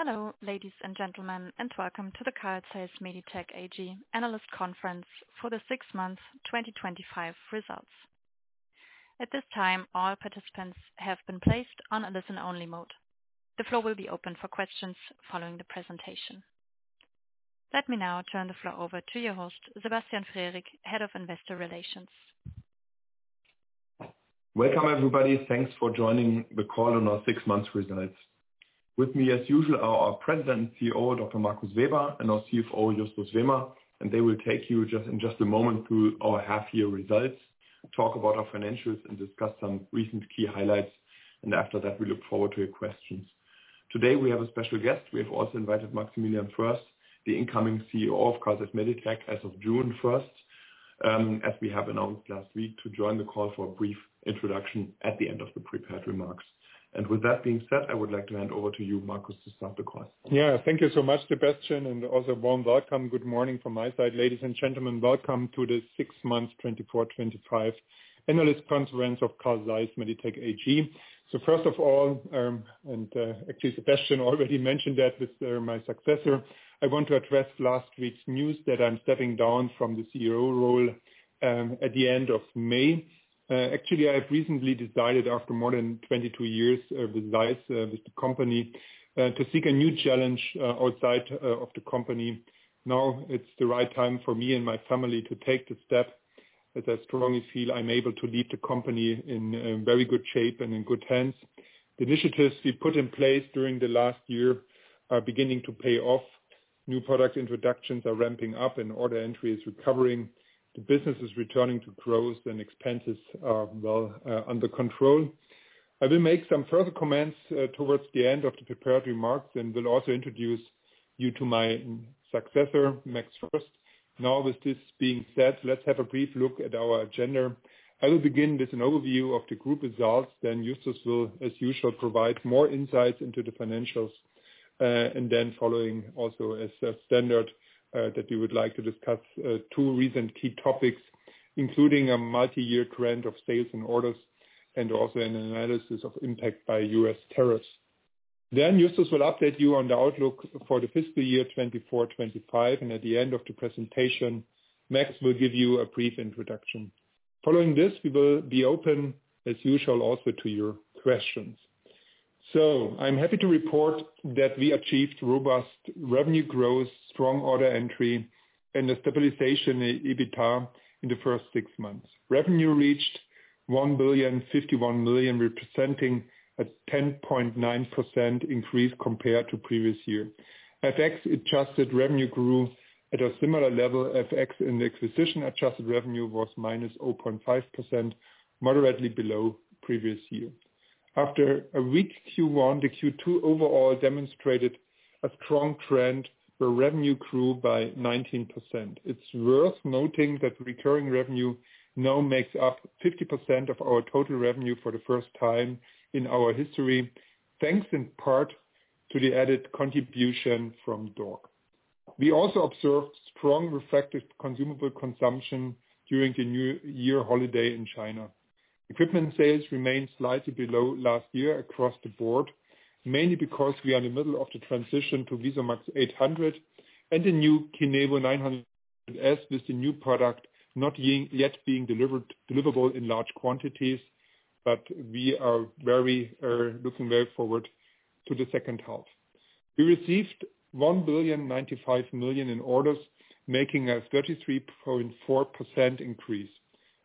Hello, ladies and gentlemen, and welcome to the Carl Zeiss Meditec AG analyst conference for the six-month 2025 results. At this time, all participants have been placed on a listen-only mode. The floor will be open for questions following the presentation. Let me now turn the floor over to your host, Sebastian Frericks, Head of Investor Relations. Welcome, everybody. Thanks for joining the call on our six-month results. With me, as usual, are our President and CEO, Dr. Markus Weber, and our CFO, Justus Wehmer. They will take you in just a moment through our half-year results, talk about our financials, and discuss some recent key highlights. After that, we look forward to your questions. Today, we have a special guest. We have also invited Maximilian Foerst, the incoming CEO of Carl Zeiss Meditec, as of June 1st, as we have announced last week, to join the call for a brief introduction at the end of the prepared remarks. With that being said, I would like to hand over to you, Markus, to start the call. Yeah, thank you so much, Sebastian, and also warm welcome. Good morning from my side, ladies and gentlemen. Welcome to the six months 2024-2025 analyst conference of Carl Zeiss Meditec AG. First of all, and actually, Sebastian already mentioned that with my successor, I want to address last week's news that I'm stepping down from the CEO role at the end of May. Actually, I have recently decided, after more than 22 years with ZEISS, with the company, to seek a new challenge outside of the company. Now it's the right time for me and my family to take the step, as I strongly feel I'm able to leave the company in very good shape and in good hands. The initiatives we put in place during the last year are beginning to pay off. New product introductions are ramping up, and order entry is recovering. The business is returning to growth, and expenses are well under control. I will make some further comments towards the end of the prepared remarks and will also introduce you to my successor, Max Foerst. Now, with this being said, let's have a brief look at our agenda. I will begin with an overview of the group results, then Justus will, as usual, provide more insights into the financials. Following also as a standard that we would like to discuss two recent key topics, including a multi-year trend of sales and orders and also an analysis of impact by U.S. tariffs. Justus will update you on the outlook for the fiscal year 2024-2025. At the end of the presentation, Max will give you a brief introduction. Following this, we will be open, as usual, also to your questions. I'm happy to report that we achieved robust revenue growth, strong order entry, and a stabilization in EBITDA in the first six months. Revenue reached 1.051 billion, representing a 10.9% increase compared to the previous year. FX-adjusted revenue grew at a similar level. FX and acquisition-adjusted revenue was -0.5%, moderately below the previous year. After a weak Q1, the Q2 overall demonstrated a strong trend where revenue grew by 19%. It's worth noting that recurring revenue now makes up 50% of our total revenue for the first time in our history, thanks in part to the added contribution from DORC. We also observed strong refractive consumable consumption during the New Year holiday in China. Equipment sales remained slightly below last year across the board, mainly because we are in the middle of the transition to VisuMax 800 and the new KINEVO 900 S, with the new product not yet being deliverable in large quantities, but we are very much looking forward to the second half. We received 1.095 billion in orders, making a 33.4% increase.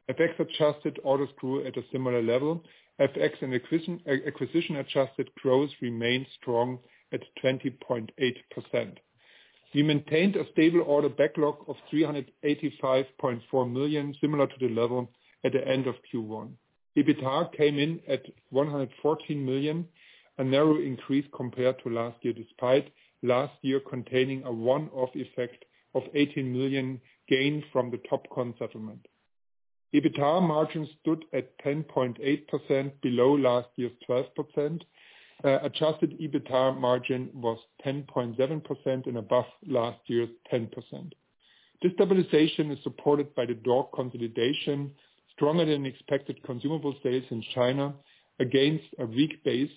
FX-adjusted orders grew at a similar level. FX and acquisition-adjusted growth remained strong at 20.8%. We maintained a stable order backlog of 385.4 million, similar to the level at the end of Q1. EBITDA came in at 114 million, a narrow increase compared to last year, despite last year containing a one-off effect of 18 million gain from the Topcon settlement. EBITDA margin stood at 10.8%, below last year's 12%. Adjusted EBITDA margin was 10.7% and above last year's 10%. This stabilization is supported by the DORC consolidation, stronger than expected consumable sales in China against a weak base,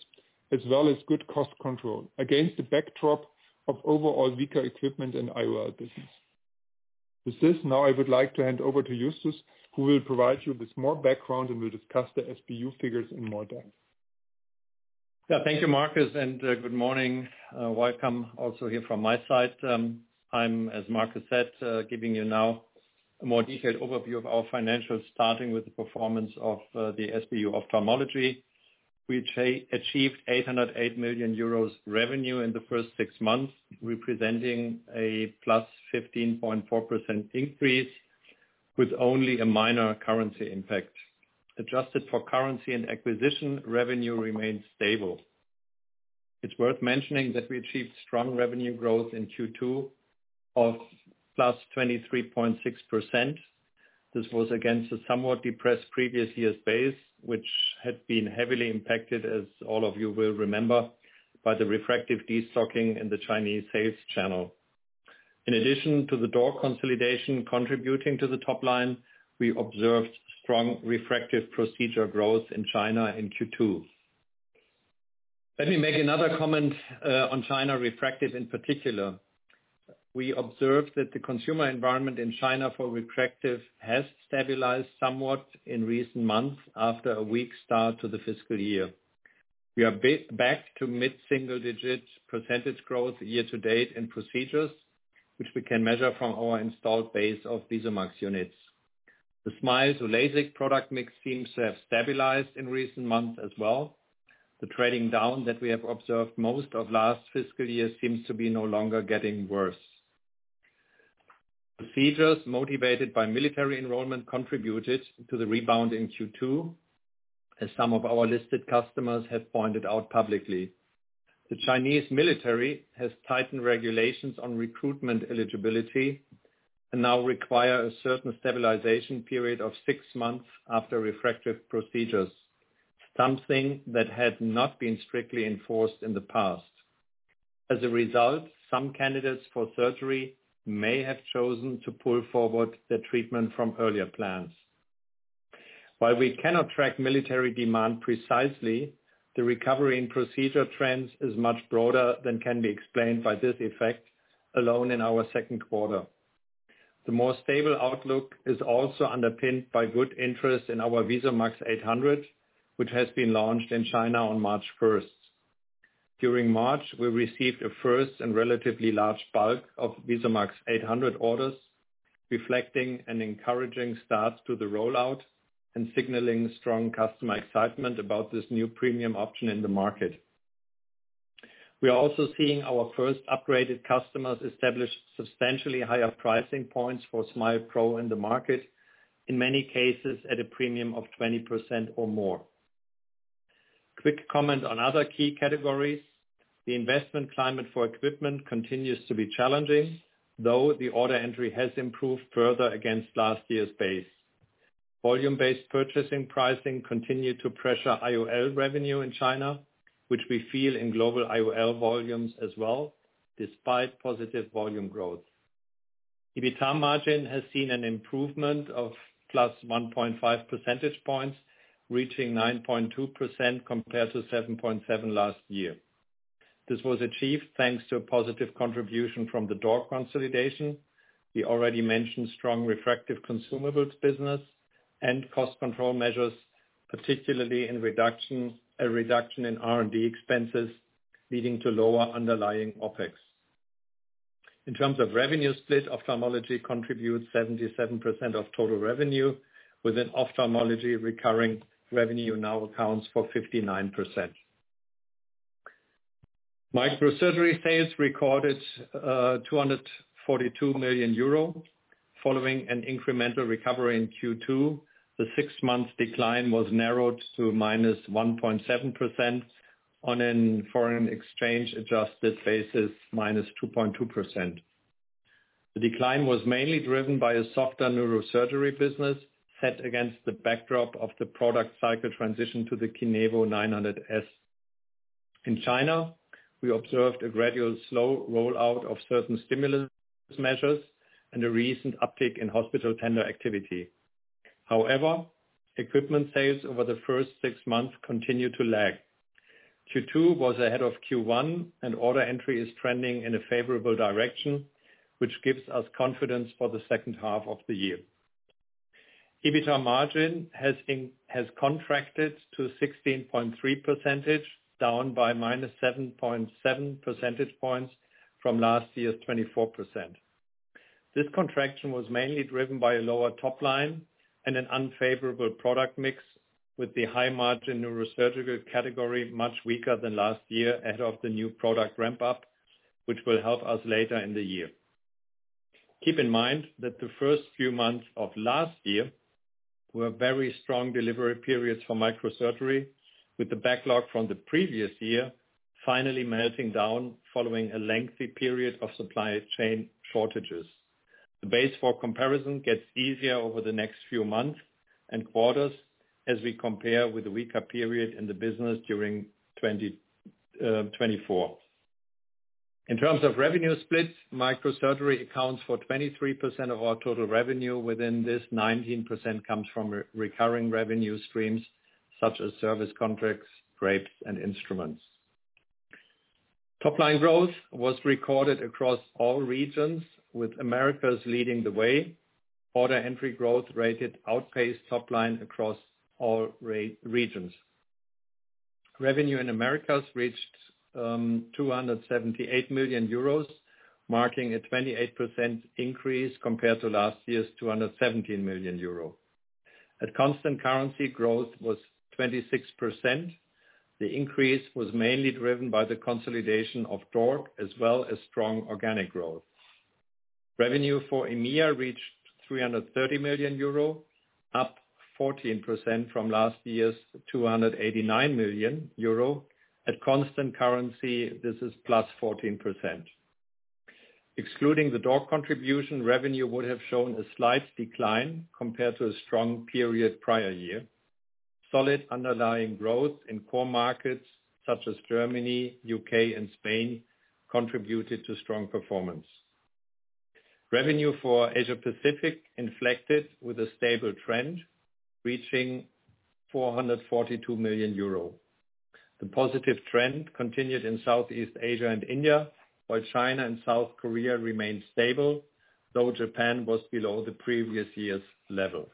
as well as good cost control against the backdrop of overall weaker equipment and IOL business. With this, now I would like to hand over to Justus, who will provide you with more background and will discuss the SBU figures in more depth. Yeah, thank you, Markus, and good morning. Welcome also here from my side. I'm, as Markus said, giving you now a more detailed overview of our financials, starting with the performance of the SBU Ophthalmology. We achieved 808 million euros revenue in the first six months, representing a +15.4% increase with only a minor currency impact. Adjusted for currency and acquisition, revenue remained stable. It's worth mentioning that we achieved strong revenue growth in Q2 of +23.6%. This was against a somewhat depressed previous year's base, which had been heavily impacted, as all of you will remember, by the refractive destocking in the Chinese sales channel. In addition to the DORC consolidation contributing to the top line, we observed strong refractive procedure growth in China in Q2. Let me make another comment on China refractive in particular. We observed that the consumer environment in China for refractive has stabilized somewhat in recent months after a weak start to the fiscal year. We are back to mid-single-digit percentage growth year to date in procedures, which we can measure from our installed base of VisuMax units. The SMILE to LASIK product mix seems to have stabilized in recent months as well. The trading down that we have observed most of last fiscal year seems to be no longer getting worse. Procedures motivated by military enrollment contributed to the rebound in Q2, as some of our listed customers have pointed out publicly. The Chinese military has tightened regulations on recruitment eligibility and now requires a certain stabilization period of six months after refractive procedures, something that had not been strictly enforced in the past. As a result, some candidates for surgery may have chosen to pull forward the treatment from earlier plans. While we cannot track military demand precisely, the recovery in procedure trends is much broader than can be explained by this effect alone in our second quarter. The more stable outlook is also underpinned by good interest in our VisuMax 800, which has been launched in China on March 1st. During March, we received a first and relatively large bulk of VisuMax 800 orders, reflecting an encouraging start to the rollout and signaling strong customer excitement about this new premium option in the market. We are also seeing our first upgraded customers establish substantially higher pricing points for SMILE Pro in the market, in many cases at a premium of 20% or more. Quick comment on other key categories. The investment climate for equipment continues to be challenging, though the order entry has improved further against last year's base. Volume-based purchasing pricing continued to pressure IOL revenue in China, which we feel in global IOL volumes as well, despite positive volume growth. EBITDA margin has seen an improvement of +1.5 percentage points, reaching 9.2% compared to 7.7% last year. This was achieved thanks to a positive contribution from the DORC consolidation. We already mentioned strong refractive consumables business and cost control measures, particularly a reduction in R&D expenses, leading to lower underlying OpEx. In terms of revenue split, Ophthalmology contributes 77% of total revenue, within Ophthalmology, recurring revenue now accounts for 59%. Microsurgery sales recorded 242 million euro. Following an incremental recovery in Q2, the six-month decline was narrowed to -1.7% on a foreign exchange-adjusted basis, -2.2%. The decline was mainly driven by a softer neurosurgery business set against the backdrop of the product cycle transition to the KINEVO 900 S. In China, we observed a gradual slow rollout of certain stimulus measures and a recent uptick in hospital tender activity. However, equipment sales over the first six months continued to lag. Q2 was ahead of Q1, and order entry is trending in a favorable direction, which gives us confidence for the second half of the year. EBITDA margin has contracted to 16.3%, down by -7.7 percentage points from last year's 24%. This contraction was mainly driven by a lower top line and an unfavorable product mix, with the high margin neurosurgical category much weaker than last year ahead of the new product ramp-up, which will help us later in the year. Keep in mind that the first few months of last year were very strong delivery periods for microsurgery, with the backlog from the previous year finally melting down following a lengthy period of supply chain shortages. The base for comparison gets easier over the next few months and quarters as we compare with a weaker period in the business during 2024. In terms of revenue split, microsurgery accounts for 23% of our total revenue. Within this, 19% comes from recurring revenue streams such as service contracts, drapes, and instruments. Top line growth was recorded across all regions, with Americas leading the way. Order entry growth rate outpaced top line across all regions. Revenue in Americas reached 278 million euros, marking a 28% increase compared to last year's 217 million euro. At constant currency, growth was 26%. The increase was mainly driven by the consolidation of DORC, as well as strong organic growth. Revenue for EMEA reached 330 million euro, up 14% from last year's 289 million euro. At constant currency, this is +14%. Excluding the DORC contribution, revenue would have shown a slight decline compared to a strong period prior year. Solid underlying growth in core markets such as Germany, the U.K., and Spain contributed to strong performance. Revenue for Asia-Pacific inflected with a stable trend, reaching 442 million euro. The positive trend continued in Southeast Asia and India, while China and South Korea remained stable, though Japan was below the previous year's level.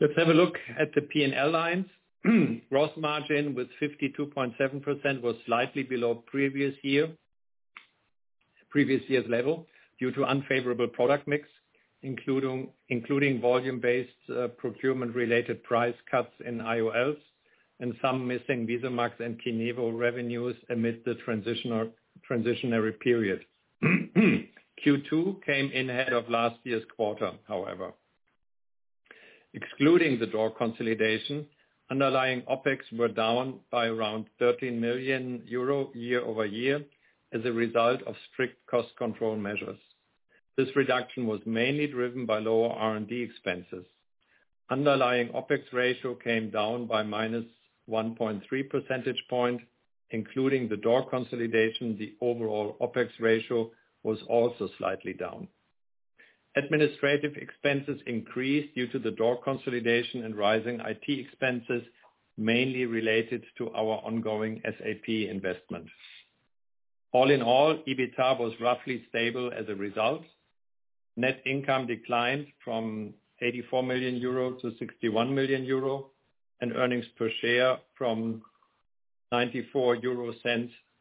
Let's have a look at the P&L lines. Gross margin with 52.7% was slightly below previous year's level due to unfavorable product mix, including volume-based procurement-related price cuts in IOLs and some missing VisuMax and KINEVO revenues amid the transitionary period. Q2 came in ahead of last year's quarter, however. Excluding the DORC consolidation, underlying OpEx were down by around 13 million euro year-over-year as a result of strict cost control measures. This reduction was mainly driven by lower R&D expenses. Underlying OpEx ratio came down by -1.3 percentage points. Including the DORC consolidation, the overall OpEx ratio was also slightly down. Administrative expenses increased due to the DORC consolidation and rising IT expenses, mainly related to our ongoing SAP investment. All in all, EBITDA was roughly stable as a result. Net income declined from 84 million euro to 61 million euro, and earnings per share from 0.94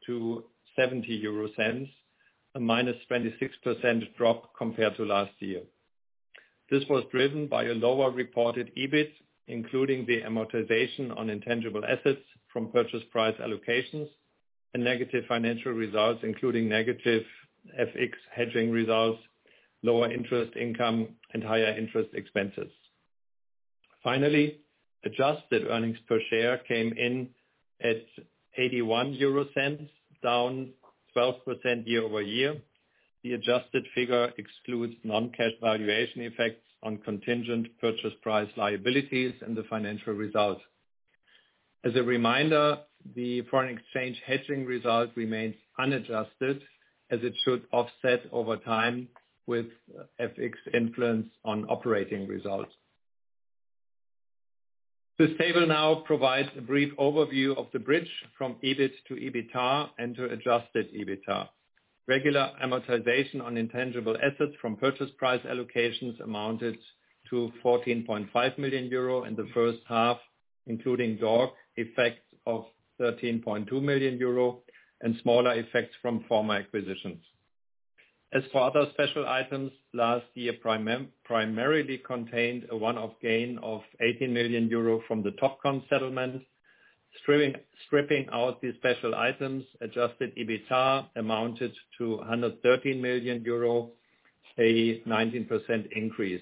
to 0.70, a -26% drop compared to last year. This was driven by a lower reported EBIT, including the amortization on intangible assets from purchase price allocations, and negative financial results, including negative FX hedging results, lower interest income, and higher interest expenses. Finally, adjusted earnings per share came in at 0.81, down 12% year over year. The adjusted figure excludes non-cash valuation effects on contingent purchase price liabilities and the financial result. As a reminder, the foreign exchange hedging result remains unadjusted, as it should offset over time with FX influence on operating results. This table now provides a brief overview of the bridge from EBIT to EBITDA and to adjusted EBITDA. Regular amortization on intangible assets from purchase price allocations amounted to 14.5 million euro in the first half, including DORC effects of 13.2 million euro and smaller effects from former acquisitions. As for other special items, last year primarily contained a one-off gain of 18 million euro from the Topcon settlement. Stripping out the special items, adjusted EBITDA amounted to 113 million euro, a 19% increase.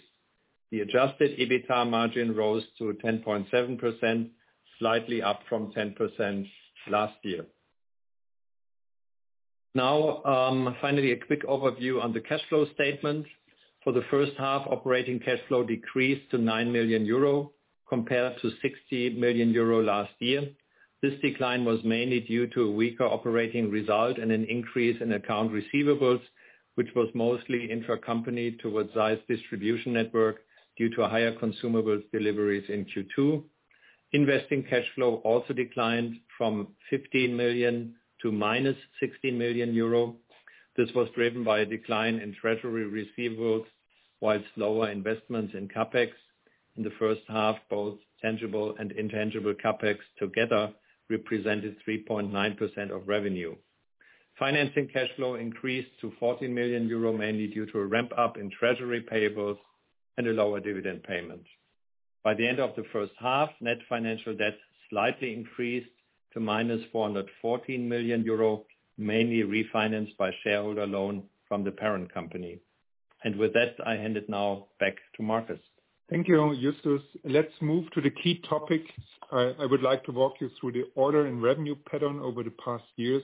The adjusted EBITDA margin rose to 10.7%, slightly up from 10% last year. Now, finally, a quick overview on the cash flow statement. For the first half, operating cash flow decreased to 9 million euro compared to 60 million euro last year. This decline was mainly due to a weaker operating result and an increase in account receivables, which was mostly intra-company towards ZEISS distribution network due to higher consumables deliveries in Q2. Investing cash flow also declined from 15 million to -16 million euro. This was driven by a decline in treasury receivables while slower investments in CapEx. In the first half, both tangible and intangible CapEx together represented 3.9% of revenue. Financing cash flow increased to 14 million euro, mainly due to a ramp-up in treasury payables and a lower dividend payment. By the end of the first half, net financial debt slightly increased to -414 million euro, mainly refinanced by shareholder loan from the parent company. With that, I hand it now back to Markus. Thank you, Justus. Let's move to the key topics. I would like to walk you through the order and revenue pattern over the past years,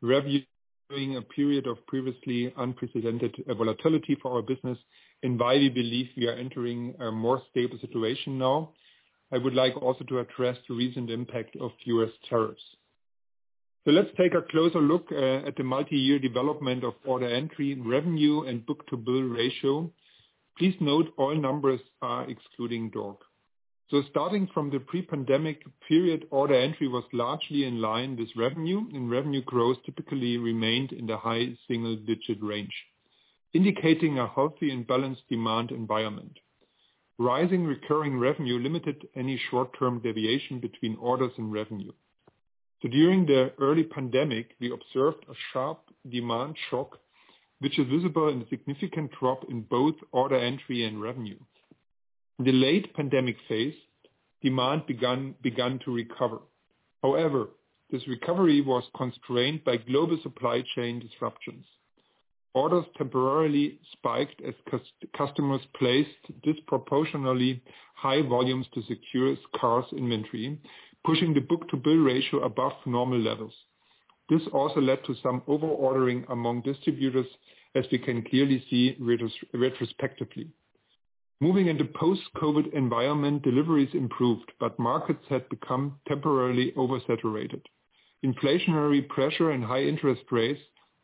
reviewing a period of previously unprecedented volatility for our business, and why we believe we are entering a more stable situation now. I would also like to address the recent impact of US tariffs. Let's take a closer look at the multi-year development of order entry, revenue, and book-to-bill ratio. Please note all numbers are excluding DORC. Starting from the pre-pandemic period, order entry was largely in line with revenue, and revenue growth typically remained in the high single-digit range, indicating a healthy and balanced demand environment. Rising recurring revenue limited any short-term deviation between orders and revenue. During the early pandemic, we observed a sharp demand shock, which is visible in a significant drop in both order entry and revenue. In the late pandemic phase, demand began to recover. However, this recovery was constrained by global supply chain disruptions. Orders temporarily spiked as customers placed disproportionately high volumes to secure cars' inventory, pushing the book-to-bill ratio above normal levels. This also led to some overordering among distributors, as we can clearly see retrospectively. Moving into the post-COVID environment, deliveries improved, but markets had become temporarily oversaturated. Inflationary pressure and high interest rates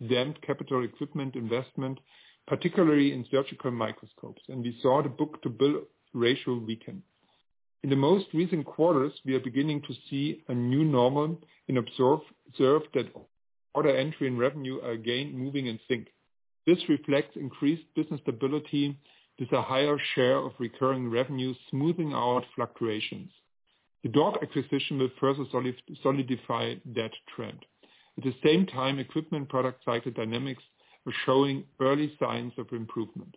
damped capital equipment investment, particularly in surgical microscopes, and we saw the book-to-bill ratio weaken. In the most recent quarters, we are beginning to see a new normal and observe that order entry and revenue are again moving in sync. This reflects increased business stability. There's a higher share of recurring revenue smoothing out fluctuations. The DORC acquisition will further solidify that trend. At the same time, equipment product cycle dynamics are showing early signs of improvement.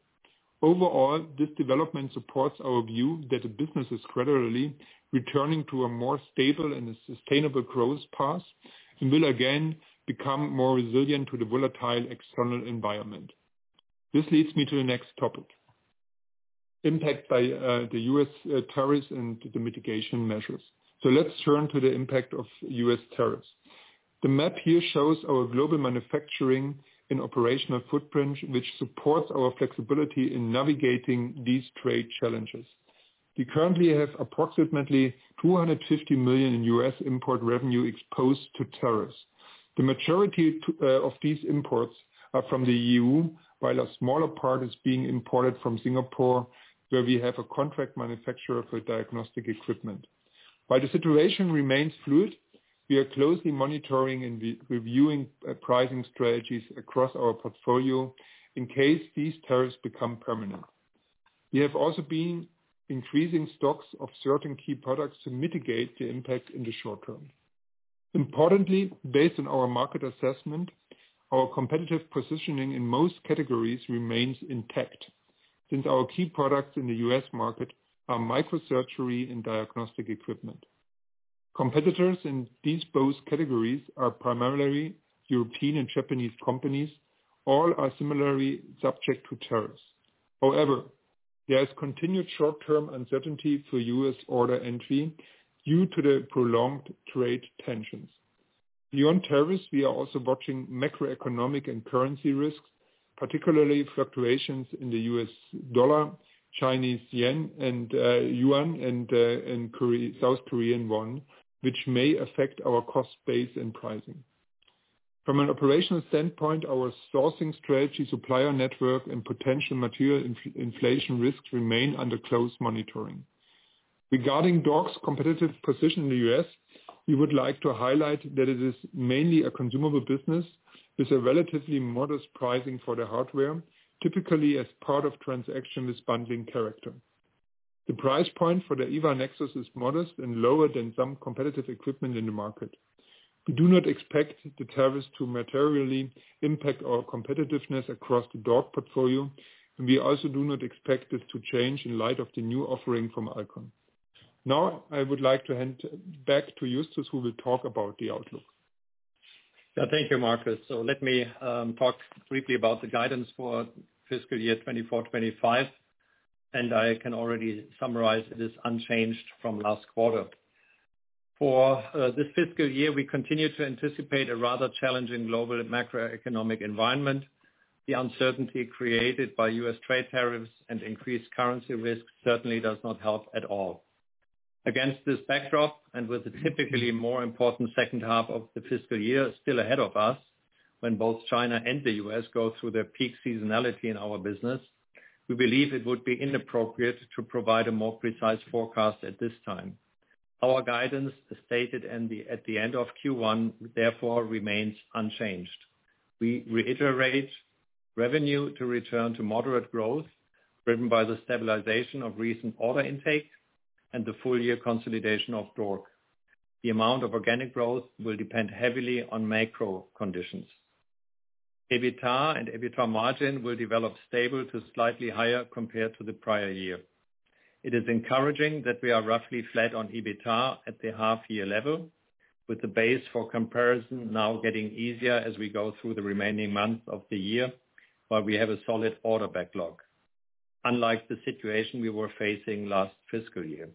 Overall, this development supports our view that the business is gradually returning to a more stable and sustainable growth path and will again become more resilient to the volatile external environment. This leads me to the next topic: impact by the U.S. tariffs and the mitigation measures. Let's turn to the impact of U.S. tariffs. The map here shows our global manufacturing and operational footprint, which supports our flexibility in navigating these trade challenges. We currently have approximately 250 million in U.S. import revenue exposed to tariffs. The majority of these imports are from the EU, while a smaller part is being imported from Singapore, where we have a contract manufacturer for diagnostic equipment. While the situation remains fluid, we are closely monitoring and reviewing pricing strategies across our portfolio in case these tariffs become permanent. We have also been increasing stocks of certain key products to mitigate the impact in the short term. Importantly, based on our market assessment, our competitive positioning in most categories remains intact since our key products in the U.S. market are microsurgery and diagnostic equipment. Competitors in these both categories are primarily European and Japanese companies, all are similarly subject to tariffs. However, there is continued short-term uncertainty for U.S. order entry due to the prolonged trade tensions. Beyond tariffs, we are also watching macroeconomic and currency risks, particularly fluctuations in the U.S. dollar, Chinese yuan, and South Korean won, which may affect our cost base and pricing. From an operational standpoint, our sourcing strategy, supplier network, and potential material inflation risks remain under close monitoring. Regarding DORC's competitive position in the U.S., we would like to highlight that it is mainly a consumable business with relatively modest pricing for the hardware, typically as part of transactionless bundling character. The price point for the EVA NEXUS is modest and lower than some competitive equipment in the market. We do not expect the tariffs to materially impact our competitiveness across the DORC portfolio, and we also do not expect this to change in light of the new offering from Alcon. Now, I would like to hand back to Justus, who will talk about the outlook. Yeah, thank you, Markus. Let me talk briefly about the guidance for fiscal year 2024-2025, and I can already summarize it as unchanged from last quarter. For this fiscal year, we continue to anticipate a rather challenging global macroeconomic environment. The uncertainty created by U.S. trade tariffs and increased currency risks certainly does not help at all. Against this backdrop and with the typically more important second half of the fiscal year still ahead of us, when both China and the U.S. go through their peak seasonality in our business, we believe it would be inappropriate to provide a more precise forecast at this time. Our guidance stated at the end of Q1, therefore, remains unchanged. We reiterate revenue to return to moderate growth driven by the stabilization of recent order intake and the full-year consolidation of DORC The amount of organic growth will depend heavily on micro conditions. EBITDA and EBITDA margin will develop stable to slightly higher compared to the prior year. It is encouraging that we are roughly flat on EBITDA at the half-year level, with the base for comparison now getting easier as we go through the remaining months of the year, while we have a solid order backlog, unlike the situation we were facing last fiscal year.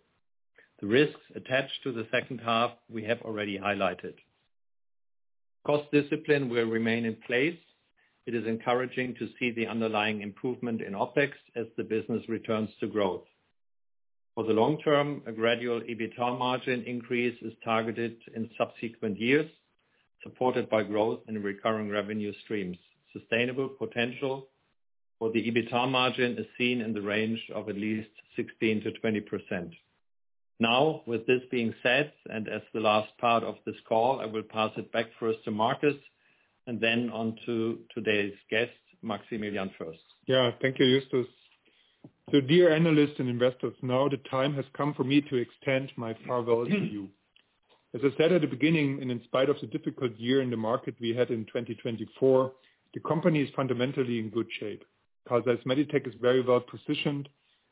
The risks attached to the second half we have already highlighted. Cost discipline will remain in place. It is encouraging to see the underlying improvement in OpEx as the business returns to growth. For the long term, a gradual EBITDA margin increase is targeted in subsequent years, supported by growth in recurring revenue streams. Sustainable potential for the EBITDA margin is seen in the range of at least 16%-20%. Now, with this being said, and as the last part of this call, I will pass it back first to Markus and then on to today's guest, Maximilian Foerst. Yeah, thank you, Justus. So, dear analysts and investors, now the time has come for me to extend my farewell to you. As I said at the beginning, and in spite of the difficult year in the market we had in 2024, the company is fundamentally in good shape. Carl Zeiss Meditec is very well positioned.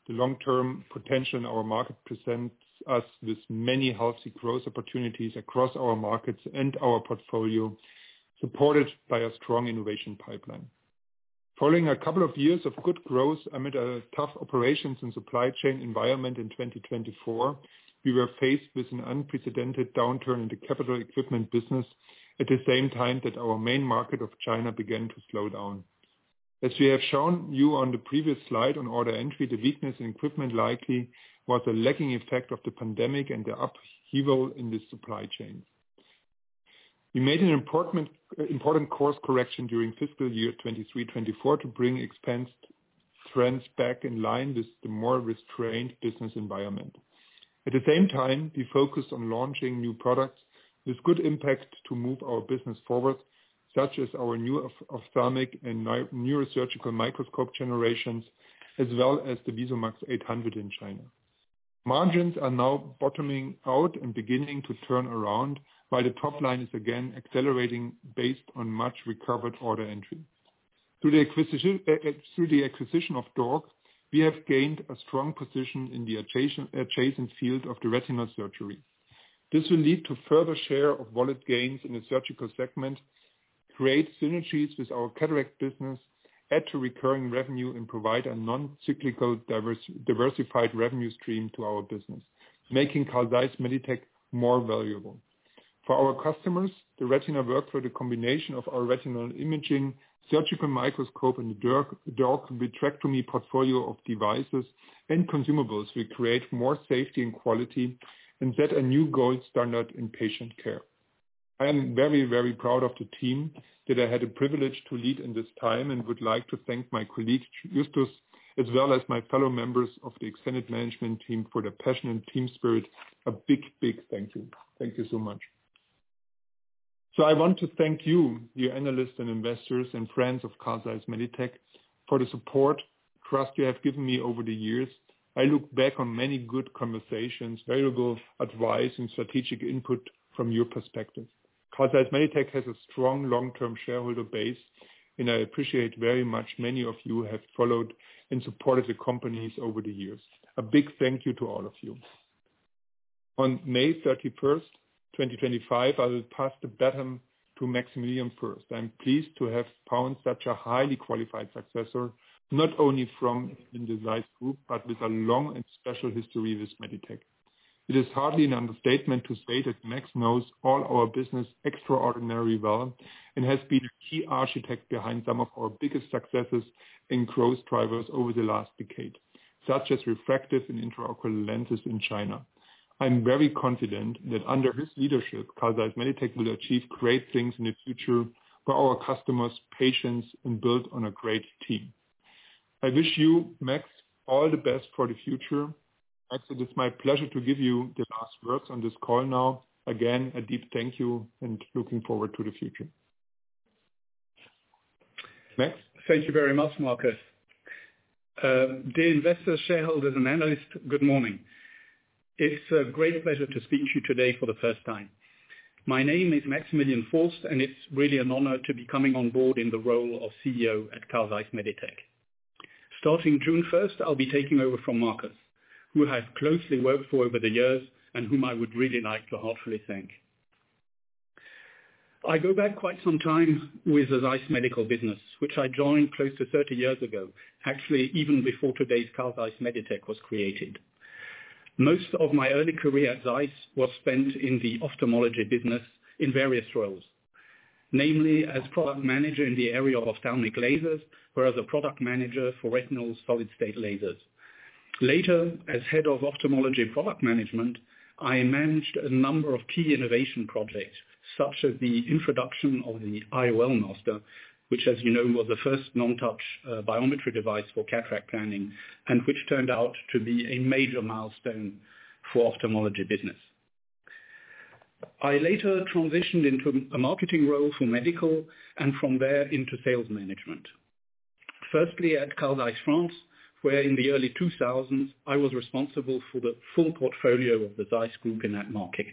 The long-term potential in our market presents us with many healthy growth opportunities across our markets and our portfolio, supported by a strong innovation pipeline. Following a couple of years of good growth amid a tough operations and supply chain environment in 2024, we were faced with an unprecedented downturn in the capital equipment business at the same time that our main market of China began to slow down. As we have shown you on the previous slide on order entry, the weakness in equipment likely was a lagging effect of the pandemic and the upheaval in the supply chain. We made an important course correction during fiscal year 2023-2024 to bring expense trends back in line with the more restrained business environment. At the same time, we focused on launching new products with good impact to move our business forward, such as our new ophthalmic and neurosurgical microscope generations, as well as the VisuMax 800 in China. Margins are now bottoming out and beginning to turn around, while the top line is again accelerating based on much recovered order entry. Through the acquisition of DORC, we have gained a strong position in the adjacent field of retinal surgery. This will lead to further share of wallet gains in the surgical segment, create synergies with our cataract business, add to recurring revenue, and provide a non-cyclical diversified revenue stream to our business, making Carl Zeiss Meditec more valuable. For our customers, the retina workflow, the combination of our retinal imaging, surgical microscope, and the DORC vitrectomy portfolio of devices and consumables, will create more safety and quality and set a new gold standard in patient care. I am very, very proud of the team that I had the privilege to lead in this time and would like to thank my colleagues, Justus, as well as my fellow members of the extended management team for their passion and team spirit. A big, big thank you. Thank you so much. I want to thank you, dear analysts and investors and friends of Carl Zeiss Meditec, for the support, trust you have given me over the years. I look back on many good conversations, valuable advice, and strategic input from your perspective. Carl Zeiss Meditec has a strong long-term shareholder base, and I appreciate very much many of you have followed and supported the company over the years. A big thank you to all of you. On May 31st, 2025, I will pass the baton to Maximilian Foerst. I'm pleased to have found such a highly qualified successor, not only from the ZEISS Group, but with a long and special history with Meditec. It is hardly an understatement to say that Max knows all our business extraordinarily well and has been a key architect behind some of our biggest successes and growth drivers over the last decade, such as refractive and intraocular lenses in China. I'm very confident that under his leadership, Carl Zeiss Meditec will achieve great things in the future for our customers, patients, and build on a great team. I wish you, Max, all the best for the future. Max, it is my pleasure to give you the last words on this call now. Again, a deep thank you and looking forward to the future. Max? Thank you very much, Markus. Dear investors, shareholders, and analysts, good morning. It's a great pleasure to speak to you today for the first time. My name is Maximilian Foerst, and it's really an honor to be coming on board in the role of CEO at Carl Zeiss Meditec. Starting June 1st, I'll be taking over from Markus, who I have closely worked for over the years and whom I would really like to heartfully thank. I go back quite some time with the ZEISS medical business, which I joined close to 30 years ago, actually even before today's Carl Zeiss Meditec was created. Most of my early career at ZEISS was spent in the ophthalmology business in various roles, namely as product manager in the area of ophthalmic lasers or as a product manager for retinal solid-state lasers. Later, as head of ophthalmology product management, I managed a number of key innovation projects, such as the introduction of the IOLMaster, which, as you know, was the first non-touch biometry device for cataract planning and which turned out to be a major milestone for ophthalmology business. I later transitioned into a marketing role for medical and from there into sales management, firstly at Carl Zeiss France, where in the early 2000s, I was responsible for the full portfolio of the ZEISS Group in that market.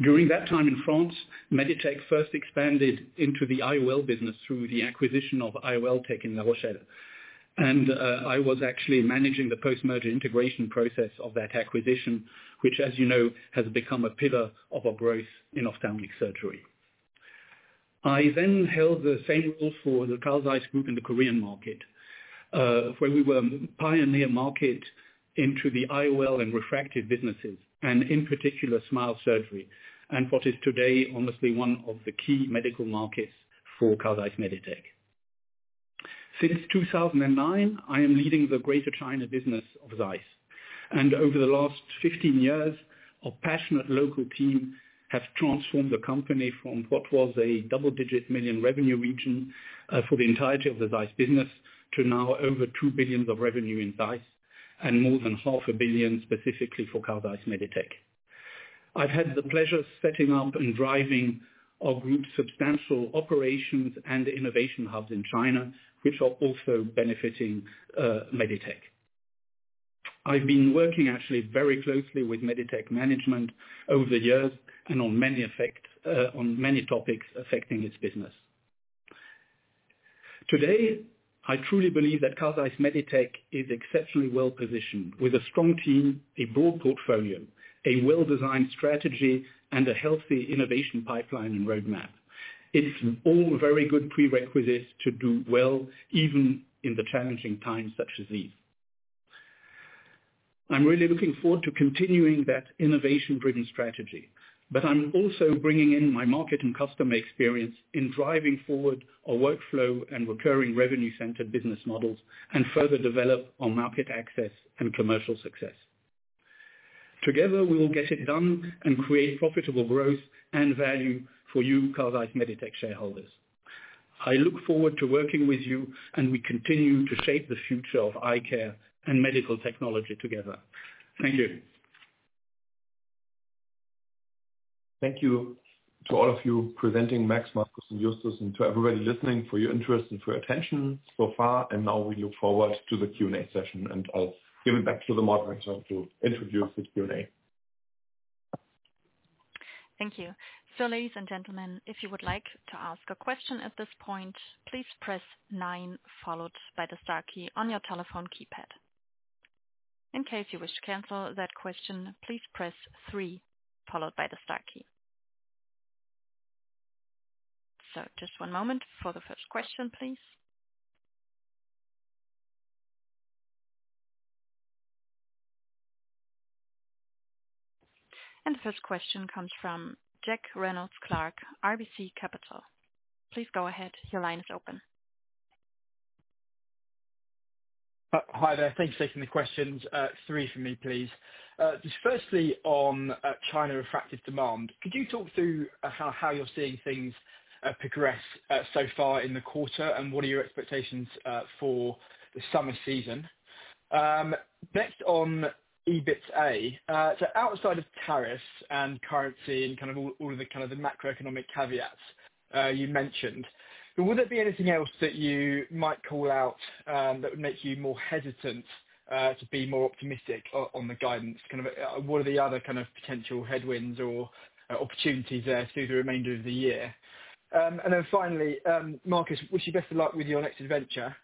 During that time in France, Meditec first expanded into the IOL business through the acquisition of IOLTech in La Rochelle, and I was actually managing the post-merger integration process of that acquisition, which, as you know, has become a pillar of our growth in ophthalmic surgery. I then held the same role for the Carl Zeiss Group in the Korean market, where we were a pioneer market into the IOL and refractive businesses, and in particular, SMILE surgery, and what is today honestly one of the key medical markets for Carl Zeiss Meditec. Since 2009, I am leading the Greater China business of ZEISS, and over the last 15 years, a passionate local team has transformed the company from what was a double-digit million revenue region for the entirety of the ZEISS business to now over 2 billion of revenue in ZEISS and more than 500 million specifically for Carl Zeiss Meditec. I've had the pleasure of setting up and driving our group's substantial operations and innovation hubs in China, which are also benefiting Meditec. I've been working actually very closely with Meditec management over the years and on many topics affecting its business. Today, I truly believe that Carl Zeiss Meditec is exceptionally well positioned with a strong team, a broad portfolio, a well-designed strategy, and a healthy innovation pipeline and roadmap. It's all very good prerequisites to do well even in the challenging times such as these. I'm really looking forward to continuing that innovation-driven strategy, but I'm also bringing in my market and customer experience in driving forward our workflow and recurring revenue-centered business models and further develop our market access and commercial success. Together, we will get it done and create profitable growth and value for you, Carl Zeiss Meditec shareholders. I look forward to working with you, and we continue to shape the future of eye care and medical technology together. Thank you. Thank you to all of you presenting, Max, Markus, and Justus, and to everybody listening for your interest and for your attention so far. Now we look forward to the Q&A session, and I'll give it back to the moderator to introduce the Q&A. Thank you. Ladies and gentlemen, if you would like to ask a question at this point, please press nine, followed by the star key, on your telephone keypad. In case you wish to cancel that question, please press three, followed by the star key. Just one moment for the first question, please. The first question comes from Jack Reynolds-Clark, RBC Capital Markets. Please go ahead. Your line is open. Hi there. Thanks for taking the questions. Three for me, please. Firstly, on China refractive demand, could you talk through how you're seeing things progress so far in the quarter, and what are your expectations for the summer season? Next on EBITDA, so outside of tariffs and currency and kind of all of the macroeconomic caveats you mentioned, would there be anything else that you might call out that would make you more hesitant to be more optimistic on the guidance? Kind of what are the other kind of potential headwinds or opportunities there through the remainder of the year? Finally, Markus, best of luck with your next adventure.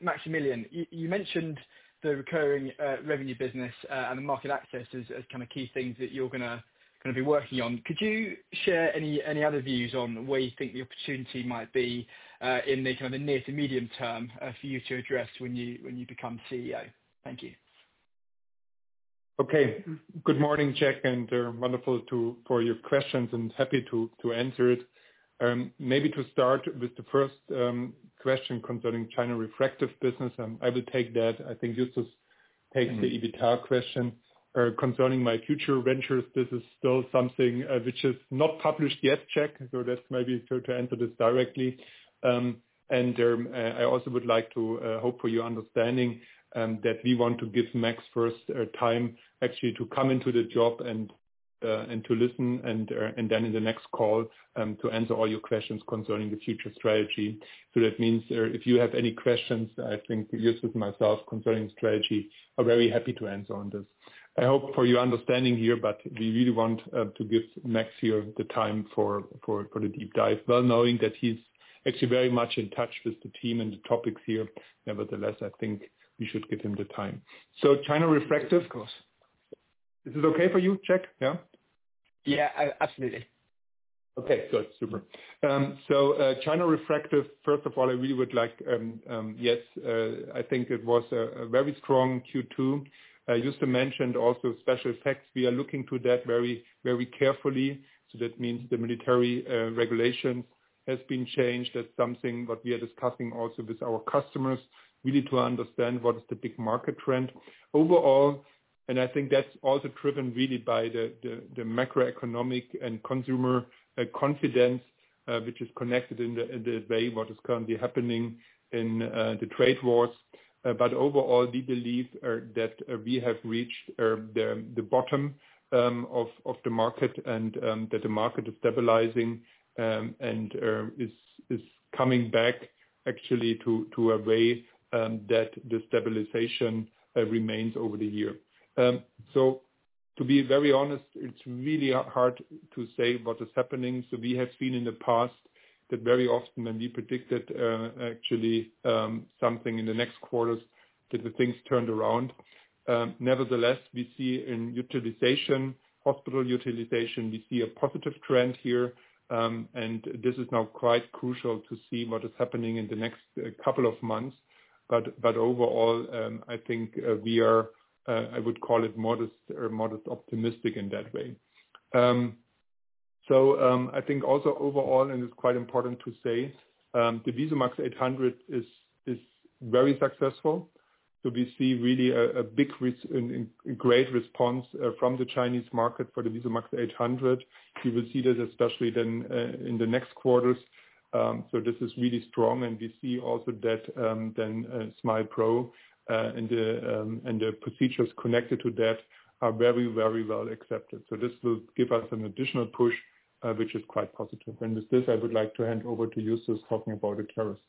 Maximilian, you mentioned the recurring revenue business and the market access as kind of key things that you're going to be working on. Could you share any other views on where you think the opportunity might be in the kind of near to medium term for you to address when you become CEO? Thank you. Okay. Good morning, Jack, and wonderful for your questions, and happy to answer it. Maybe to start with the first question concerning China refractive business, I will take that. I think Justus takes the EBITDA question. Concerning my future ventures, this is still something which is not published yet, Jack, so that is maybe to answer this directly. I also would like to hope for your understanding that we want to give Max first time actually to come into the job and to listen, and then in the next call to answer all your questions concerning the future strategy. That means if you have any questions, I think Justus and myself concerning strategy, are very happy to answer on this. I hope for your understanding here, but we really want to give Max here the time for the deep dive, well knowing that he is actually very much in touch with the team and the topics here. Nevertheless, I think we should give him the time. China refractive. Of course. Is it okay for you, Jack? Yeah? Yeah, absolutely. Okay, good. Super. China refractive, first of all, I really would like, yes, I think it was a very strong Q2. Justus mentioned also special effects. We are looking to that very carefully. That means the military regulations have been changed. That is something that we are discussing also with our customers, really to understand what is the big market trend overall. I think that is also driven really by the macroeconomic and consumer confidence, which is connected in the way what is currently happening in the trade wars. Overall, we believe that we have reached the bottom of the market and that the market is stabilizing and is coming back actually to a way that the stabilization remains over the year. To be very honest, it's really hard to say what is happening. We have seen in the past that very often when we predicted actually something in the next quarters, the things turned around. Nevertheless, we see in utilization, hospital utilization, we see a positive trend here. This is now quite crucial to see what is happening in the next couple of months. Overall, I think we are, I would call it, modest optimistic in that way. I think also overall, and it's quite important to say, the VisuMax 800 is very successful. We see really a big and great response from the Chinese market for the VisuMax 800. You will see this especially then in the next quarters. This is really strong. We see also that then SMILE pro and the procedures connected to that are very, very well accepted. This will give us an additional push, which is quite positive. With this, I would like to hand over to Justus talking about the tariffs.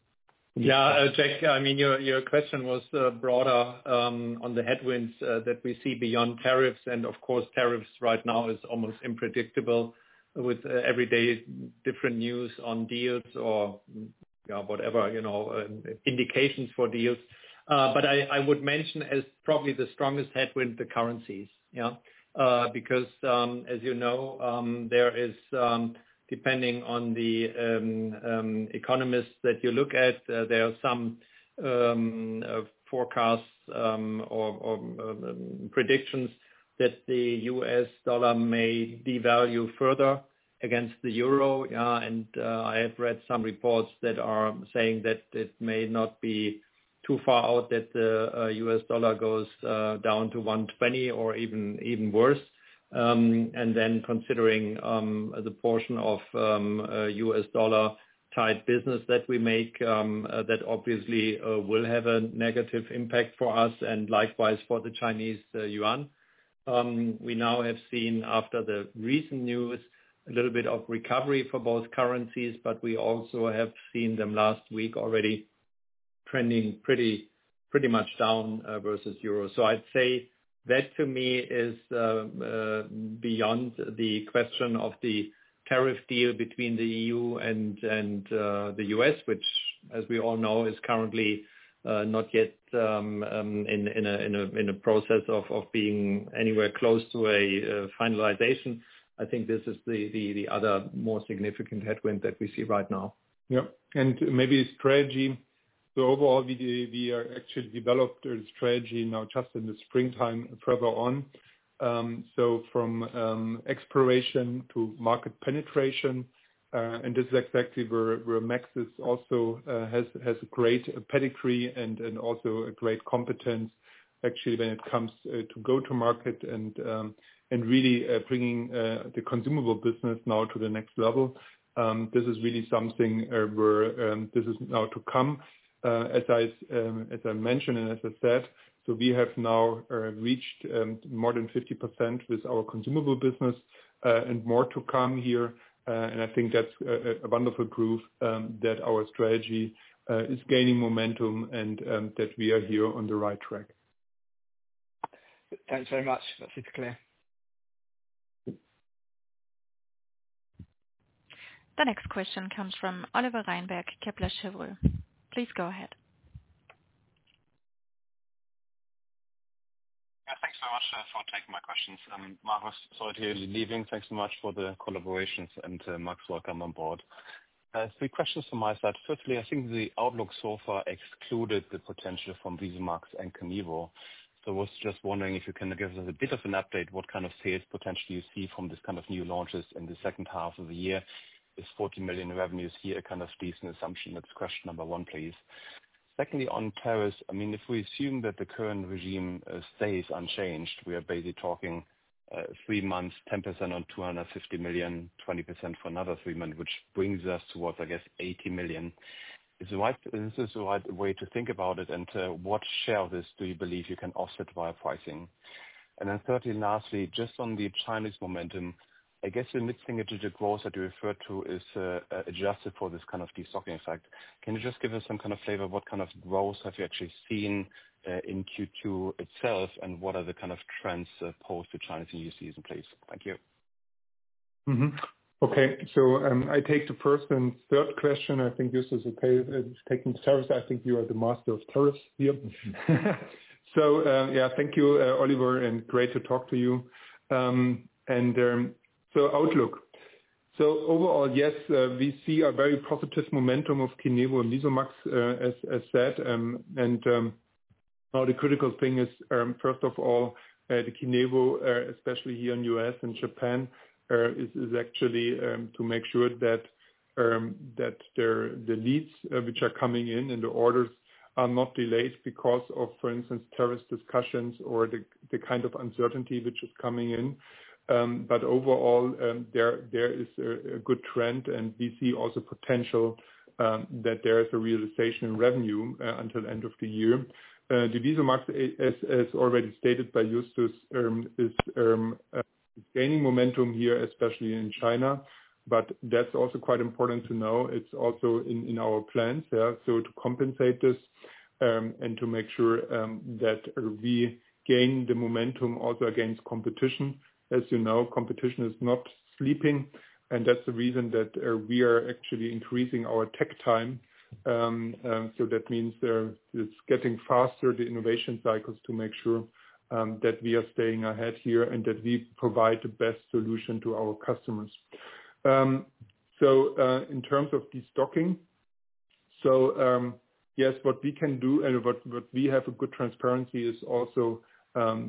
Yeah, Jack, I mean, your question was broader on the headwinds that we see beyond tariffs. Of course, tariffs right now are almost unpredictable with every day different news on deals or whatever, indications for deals. I would mention as probably the strongest headwind, the currencies, yeah? Because as you know, there is, depending on the economists that you look at, some forecasts or predictions that the U.S. dollar may devalue further against the euro. I have read some reports that are saying that it may not be too far out that the U.S. dollar goes down to $1.20 or even worse. Then considering the portion of U.S. dollar-tied business that we make, that obviously will have a negative impact for us and likewise for the Chinese yuan. We now have seen, after the recent news, a little bit of recovery for both currencies, but we also have seen them last week already trending pretty much down versus euro. I'd say that to me is beyond the question of the tariff deal between the EU and the U.S., which, as we all know, is currently not yet in a process of being anywhere close to a finalization. I think this is the other more significant headwind that we see right now. Yeah. Maybe strategy. Overall, we are actually developed a strategy now just in the springtime further on. From exploration to market penetration. This is exactly where Maxis also has a great pedigree and also a great competence, actually, when it comes to go-to-market and really bringing the consumable business now to the next level. This is really something where this is now to come, as I mentioned and as I said. We have now reached more than 50% with our consumable business and more to come here. I think that's a wonderful proof that our strategy is gaining momentum and that we are here on the right track. Thanks very much. That's super clear. The next question comes from Oliver Reinberg, Kepler Cheuvreux. Please go ahead. Yeah, thanks very much for taking my questions. Markus, sorry to hear you leaving. Thanks so much for the collaborations and Max, welcome on board. Three questions from my side. Firstly, I think the outlook so far excluded the potential from VisuMax and KINEVO. I was just wondering if you can give us a bit of an update, what kind of sales potential you see from this kind of new launches in the second half of the year? Is 40 million revenues here kind of decent assumption? That is question number one, please. Secondly, on tariffs, I mean, if we assume that the current regime stays unchanged, we are basically talking three months, 10% on 250 million, 20% for another three months, which brings us towards, I guess, 80 million. Is this the right way to think about it? What share of this do you believe you can offset via pricing? Thirdly, lastly, just on the Chinese momentum, I guess the mid-single-digit growth that you referred to is adjusted for this kind of de-stocking effect. Can you just give us some kind of flavor of what kind of growth have you actually seen in Q2 itself, and what are the kind of trends post the Chinese New Year season, please? Thank you. Okay. I take the first and third question. I think Justus is okay taking the tariffs. I think you are the master of tariffs here. Thank you, Oliver, and great to talk to you. Outlook. Overall, yes, we see a very positive momentum of KINEVO and VisuMax, as said. Now the critical thing is, first of all, the KINEVO, especially here in the U.S. and Japan, is actually to make sure that the leads which are coming in and the orders are not delayed because of, for instance, tariff discussions or the kind of uncertainty which is coming in. Overall, there is a good trend, and we see also potential that there is a realization in revenue until the end of the year. The VisuMax, as already stated by Justus, is gaining momentum here, especially in China. That is also quite important to know. It is also in our plans, yeah, to compensate this and to make sure that we gain the momentum also against competition. As you know, competition is not sleeping, and that is the reason that we are actually increasing our tech time. That means it is getting faster, the innovation cycles, to make sure that we are staying ahead here and that we provide the best solution to our customers. In terms of de-stocking, yes, what we can do and what we have a good transparency is also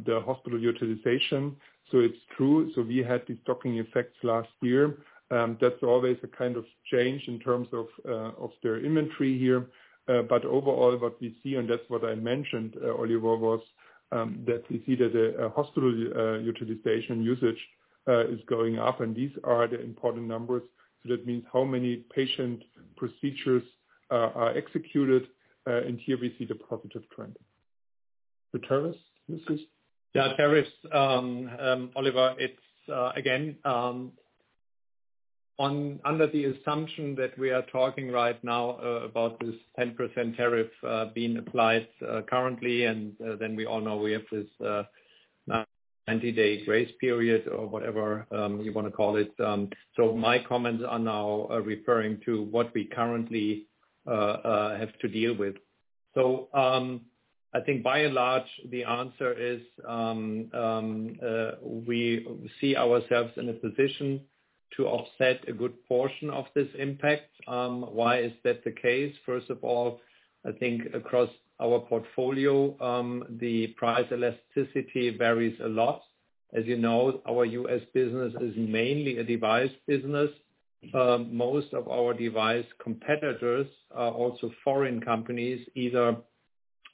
the hospital utilization. It is true. We had de-stocking effects last year. That's always a kind of change in terms of their inventory here. Overall, what we see, and that's what I mentioned, Oliver, was that we see that the hospital utilization usage is going up, and these are the important numbers. That means how many patient procedures are executed. Here we see the positive trend. The tariffs, Justus? Yeah, tariffs. Oliver, again, under the assumption that we are talking right now about this 10% tariff being applied currently, and then we all know we have this 90-day grace period or whatever you want to call it. My comments are now referring to what we currently have to deal with. I think by large, the answer is we see ourselves in a position to offset a good portion of this impact. Why is that the case? First of all, I think across our portfolio, the price elasticity varies a lot. As you know, our U.S. business is mainly a device business. Most of our device competitors are also foreign companies, either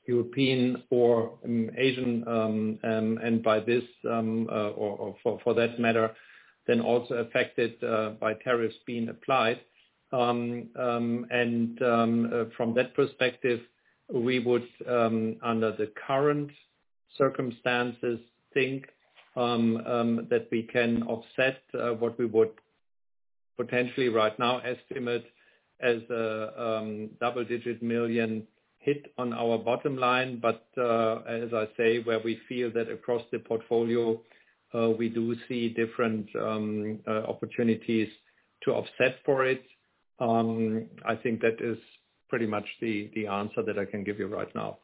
European or Asian, and by this or for that matter, then also affected by tariffs being applied. From that perspective, we would, under the current circumstances, think that we can offset what we would potentially right now estimate as a double-digit million hit on our bottom line. As I say, where we feel that across the portfolio, we do see different opportunities to offset for it. I think that is pretty much the answer that I can give you right now.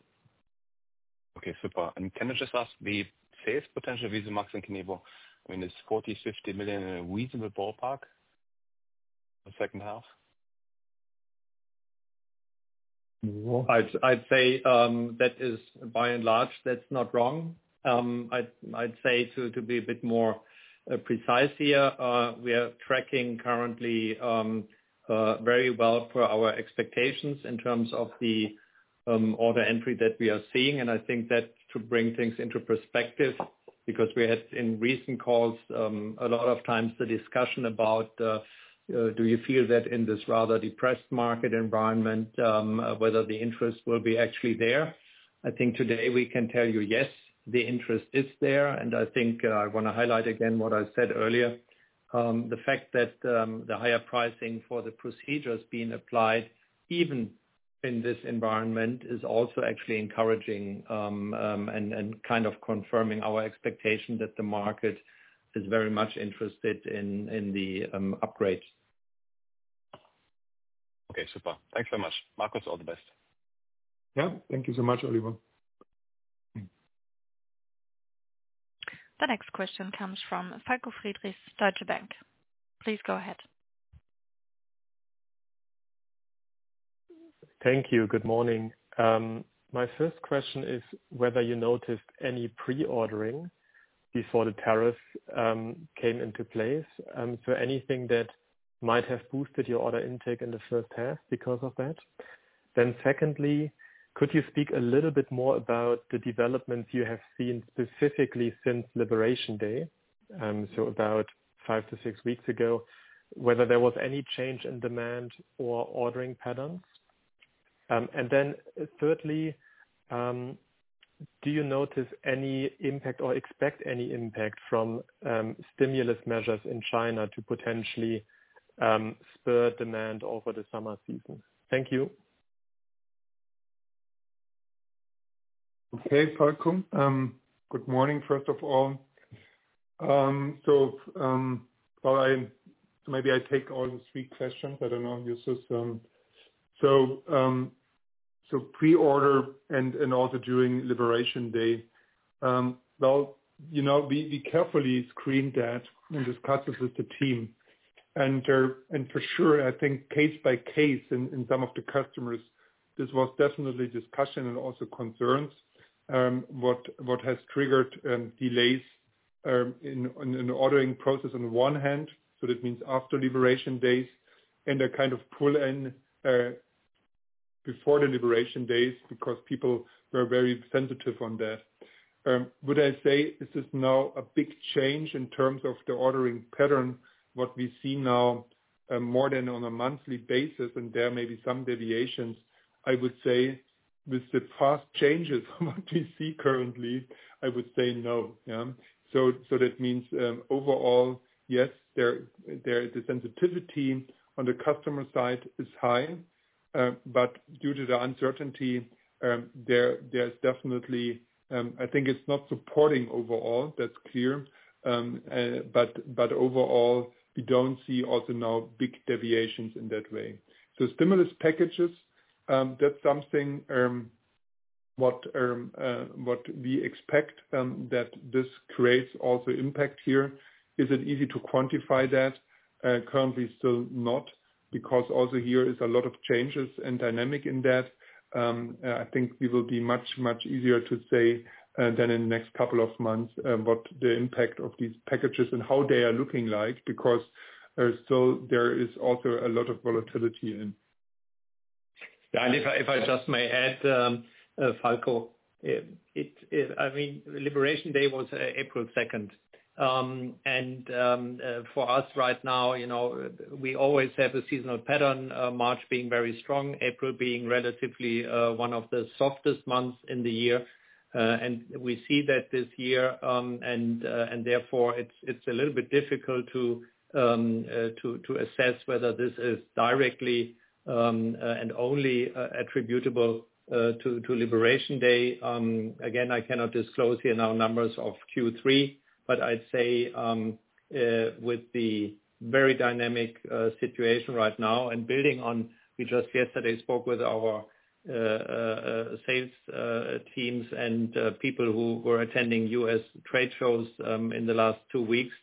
Okay, super. Can I just ask, the sales potential of VisuMax and KINEVO, I mean, is 40 million-50 million a reasonable ballpark for the second half? I'd say that is by and large, that's not wrong. I'd say to be a bit more precise here, we are tracking currently very well for our expectations in terms of the order entry that we are seeing. I think that to bring things into perspective, because we had in recent calls a lot of times the discussion about, do you feel that in this rather depressed market environment, whether the interest will be actually there? I think today we can tell you, yes, the interest is there. I think I want to highlight again what I said earlier. The fact that the higher pricing for the procedures being applied even in this environment is also actually encouraging and kind of confirming our expectation that the market is very much interested in the upgrade. Okay, super. Thanks very much. Markus, all the best. Yeah, thank you so much, Oliver. The next question comes from Falko Friedrichs, Deutsche Bank. Please go ahead. Thank you. Good morning. My first question is whether you noticed any pre-ordering before the tariffs came into place. So anything that might have boosted your order intake in the first half because of that? Then secondly, could you speak a little bit more about the developments you have seen specifically since Liberation Day, so about five to six weeks ago, whether there was any change in demand or ordering patterns? And then thirdly, do you notice any impact or expect any impact from stimulus measures in China to potentially spur demand over the summer season? Thank you. Okay, Falko. Good morning, first of all. So maybe I take all the three questions. I don't know, Justus. Pre-order and also during Liberation Day, we carefully screened that and discussed it with the team. For sure, I think case by case in some of the customers, this was definitely discussion and also concerns what has triggered delays in the ordering process on the one hand. That means after Liberation Days and a kind of pull-in before the Liberation Days because people were very sensitive on that. Would I say this is now a big change in terms of the ordering pattern, what we see now more than on a monthly basis, and there may be some deviations? I would say with the past changes of what we see currently, I would say no. That means overall, yes, the sensitivity on the customer side is high. Due to the uncertainty, there is definitely I think it's not supporting overall, that's clear. Overall, we do not see also now big deviations in that way. Stimulus packages, that is something what we expect that this creates also impact here. Is it easy to quantify that? Currently, still not, because also here is a lot of changes and dynamic in that. I think it will be much, much easier to say than in the next couple of months what the impact of these packages and how they are looking like, because there is also a lot of volatility in. Yeah, and if I just may add, Falko, I mean, Liberation Day was April 2nd. And for us right now, we always have a seasonal pattern, March being very strong, April being relatively one of the softest months in the year. We see that this year, and therefore, it's a little bit difficult to assess whether this is directly and only attributable to Liberation Day. Again, I cannot disclose here now numbers of Q3, but I'd say with the very dynamic situation right now and building on, we just yesterday spoke with our sales teams and people who were attending U.S. trade shows in the last two weeks.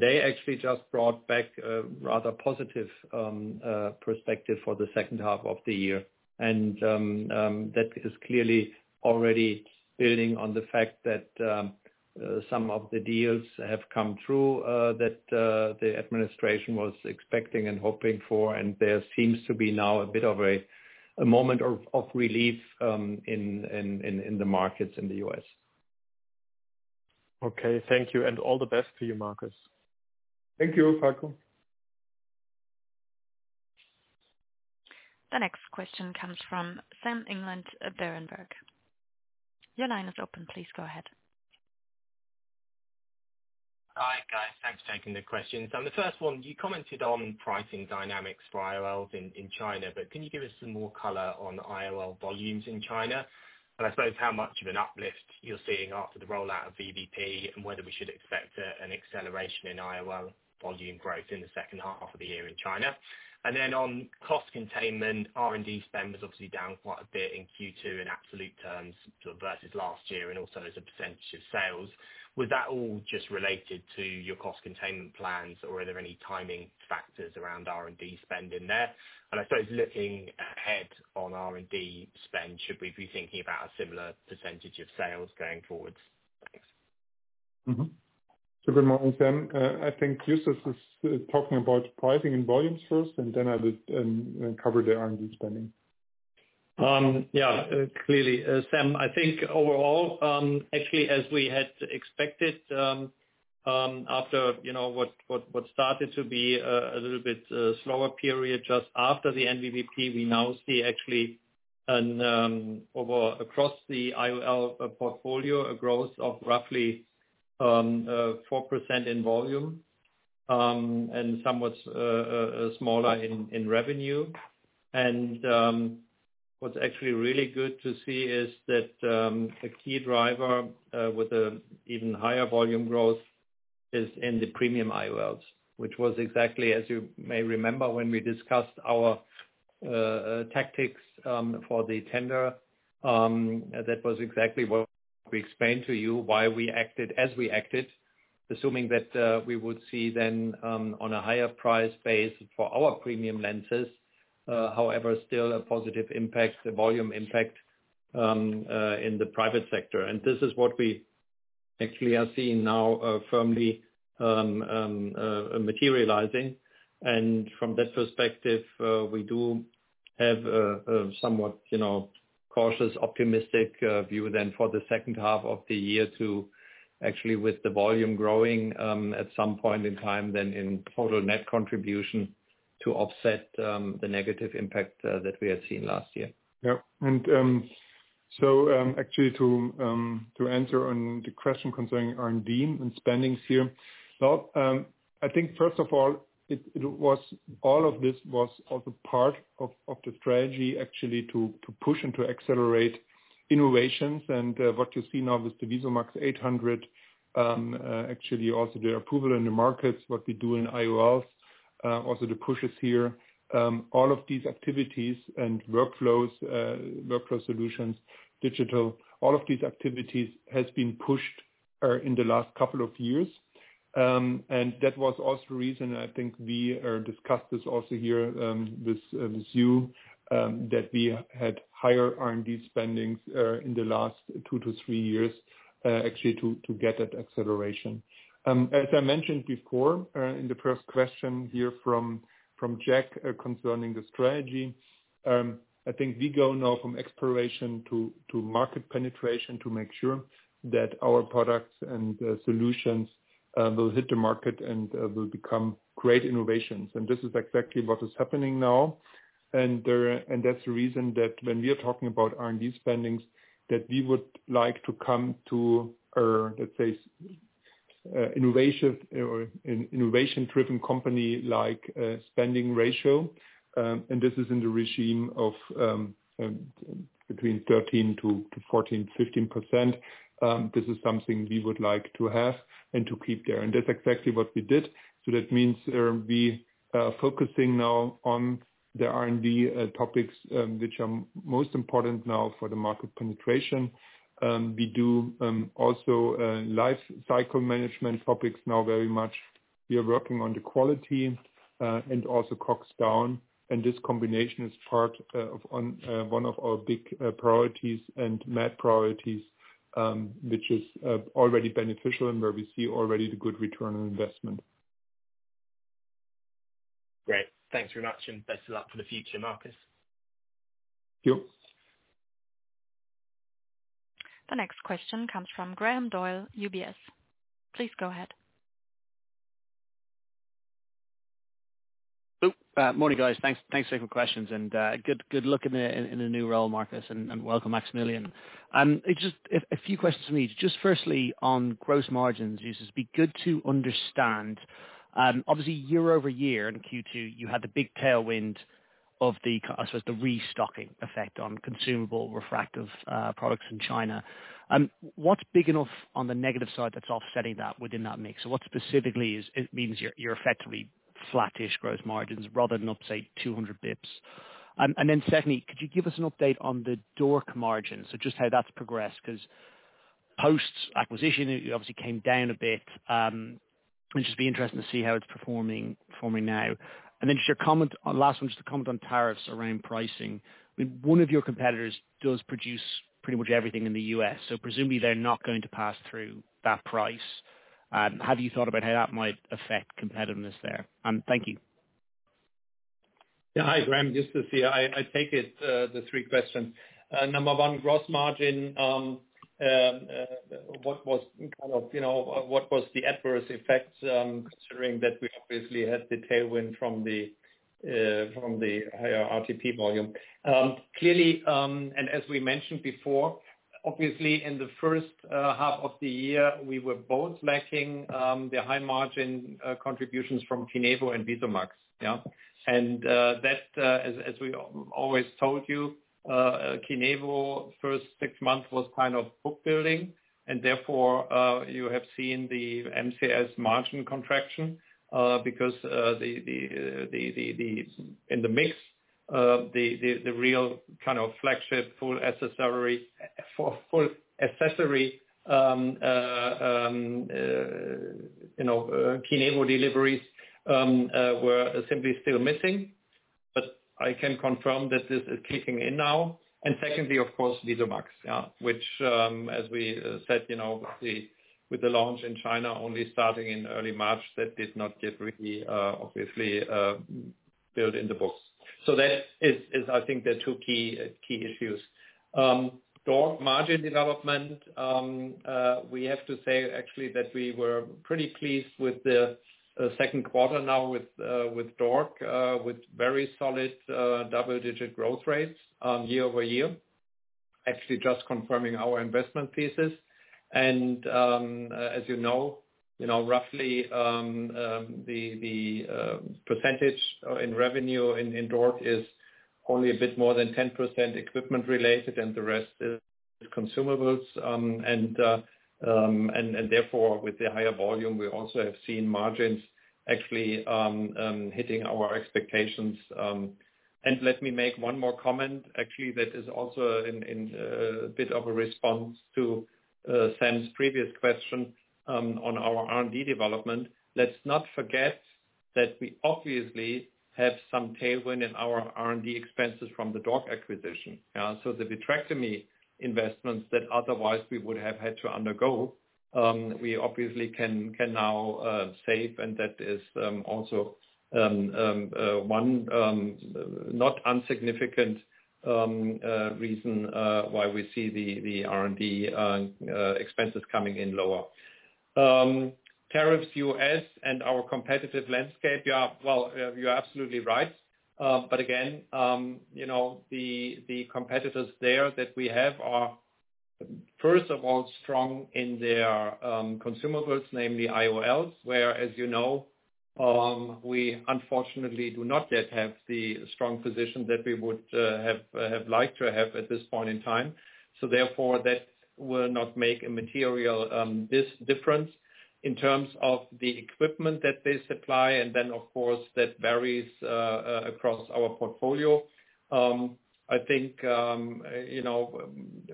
They actually just brought back a rather positive perspective for the second half of the year. That is clearly already building on the fact that some of the deals have come through that the administration was expecting and hoping for. There seems to be now a bit of a moment of relief in the markets in the U.S. Okay, thank you. All the best to you, Markus. Thank you, Falko. The next question comes from Sam England at Berenberg. Your line is open. Please go ahead. Hi, guys. Thanks for taking the questions. On the first one, you commented on pricing dynamics for IOLs in China, but can you give us some more color on IOL volumes in China? I suppose how much of an uplift you're seeing after the rollout of VBP and whether we should expect an acceleration in IOL volume growth in the second half of the year in China. On cost containment, R&D spend was obviously down quite a bit in Q2 in absolute terms versus last year, and also as a percentage of sales. Was that all just related to your cost containment plans, or are there any timing factors around R&D spend in there? I suppose looking ahead on R&D spend, should we be thinking about a similar percentage of sales going forward? Thanks. Super important, Sam. I think Justus is talking about pricing and volumes first, and then I would cover the R&D spending. Yeah, clearly. Sam, I think overall, actually, as we had expected after what started to be a little bit slower period just after the NVBP, we now see actually across the IOL portfolio a growth of roughly 4% in volume and somewhat smaller in revenue. What's actually really good to see is that a key driver with an even higher volume growth is in the premium IOLs, which was exactly, as you may remember, when we discussed our tactics for the tender. That was exactly what we explained to you, why we acted as we acted, assuming that we would see then on a higher price base for our premium lenses, however, still a positive impact, a volume impact in the private sector. This is what we actually are seeing now firmly materializing. From that perspective, we do have a somewhat cautious, optimistic view for the second half of the year too, actually with the volume growing at some point in time in total net contribution to offset the negative impact that we had seen last year. Yeah. Actually, to answer on the question concerning R&D and spending here, I think first of all, all of this was also part of the strategy to push and to accelerate innovations. What you see now with the VisuMax 800, actually also the approval in the markets, what we do in IOLs, also the pushes here, all of these activities and workflows, workflow solutions, digital, all of these activities have been pushed in the last couple of years. That was also the reason I think we discussed this also here with you, that we had higher R&D spendings in the last two to three years actually to get that acceleration. As I mentioned before in the first question here from Jack concerning the strategy, I think we go now from exploration to market penetration to make sure that our products and solutions will hit the market and will become great innovations. This is exactly what is happening now. That is the reason that when we are talking about R&D spendings, we would like to come to, let's say, an innovation-driven company-like spending ratio. This is in the regime of between 13%-14%, 15%. This is something we would like to have and to keep there. That is exactly what we did. That means we are focusing now on the R&D topics which are most important now for the market penetration. We do also life cycle management topics now very much. We are working on the quality and also cost down. This combination is part of one of our big priorities and main priorities, which is already beneficial and where we see already the good return on investment. Great. Thanks very much. Best of luck for the future, Markus. Thank you. The next question comes from Graham Doyle, UBS. Please go ahead. Morning, guys. Thanks for your questions. Good luck in the new role, Markus, and welcome, Maximilian. Just a few questions for me. Firstly, on gross margins, Justus, it'd be good to understand. Obviously, year-over-year in Q2, you had the big tailwind of, I suppose, the restocking effect on consumable refractive products in China. What's big enough on the negative side that's offsetting that within that mix? What specifically means you're effectively flattish gross margins rather than, say, 200 bips? Secondly, could you give us an update on the DORC margin, just how that's progressed? Because post-acquisition, it obviously came down a bit. It'd just be interesting to see how it's performing now. Just your last one, just a comment on tariffs around pricing. I mean, one of your competitors does produce pretty much everything in the U.S., so presumably they're not going to pass through that price. Have you thought about how that might affect competitiveness there? Thank you. Yeah. Hi, Graham. Just to see, I take it the three questions. Number one, gross margin, what was kind of what was the adverse effect considering that we obviously had the tailwind from the higher RTP volume? Clearly, and as we mentioned before, obviously, in the first half of the year, we were both lacking the high margin contributions from KINEVO and VisuMax. Yeah. That, as we always told you, KINEVO's first six months was kind of book building. Therefore, you have seen the MCS margin contraction because in the mix, the real kind of flagship full accessory KINEVO deliveries were simply still missing. I can confirm that this is kicking in now. Secondly, of course, VisuMax, which, as we said, with the launch in China only starting in early March, that did not get really obviously billed in the books. That is, I think, the two key issues. DORC margin development, we have to say actually that we were pretty pleased with the second quarter now with DORC, with very solid double-digit growth rates year-over-year, actually just confirming our investment thesis. As you know, roughly the percentage in revenue in DORC is only a bit more than 10% equipment-related, and the rest is consumables. Therefore, with the higher volume, we also have seen margins actually hitting our expectations. Let me make one more comment, actually, that is also a bit of a response to Sam's previous question on our R&D development. Let's not forget that we obviously have some tailwind in our R&D expenses from the DORC acquisition. The vitrectomy investments that otherwise we would have had to undergo, we obviously can now save. That is also one not unsignificant reason why we see the R&D expenses coming in lower. Tariffs U.S. and our competitive landscape, yeah, you're absolutely right. Again, the competitors there that we have are, first of all, strong in their consumables, namely IOLs, where, as you know, we unfortunately do not yet have the strong position that we would have liked to have at this point in time. Therefore, that will not make a material difference in terms of the equipment that they supply. Of course, that varies across our portfolio. I think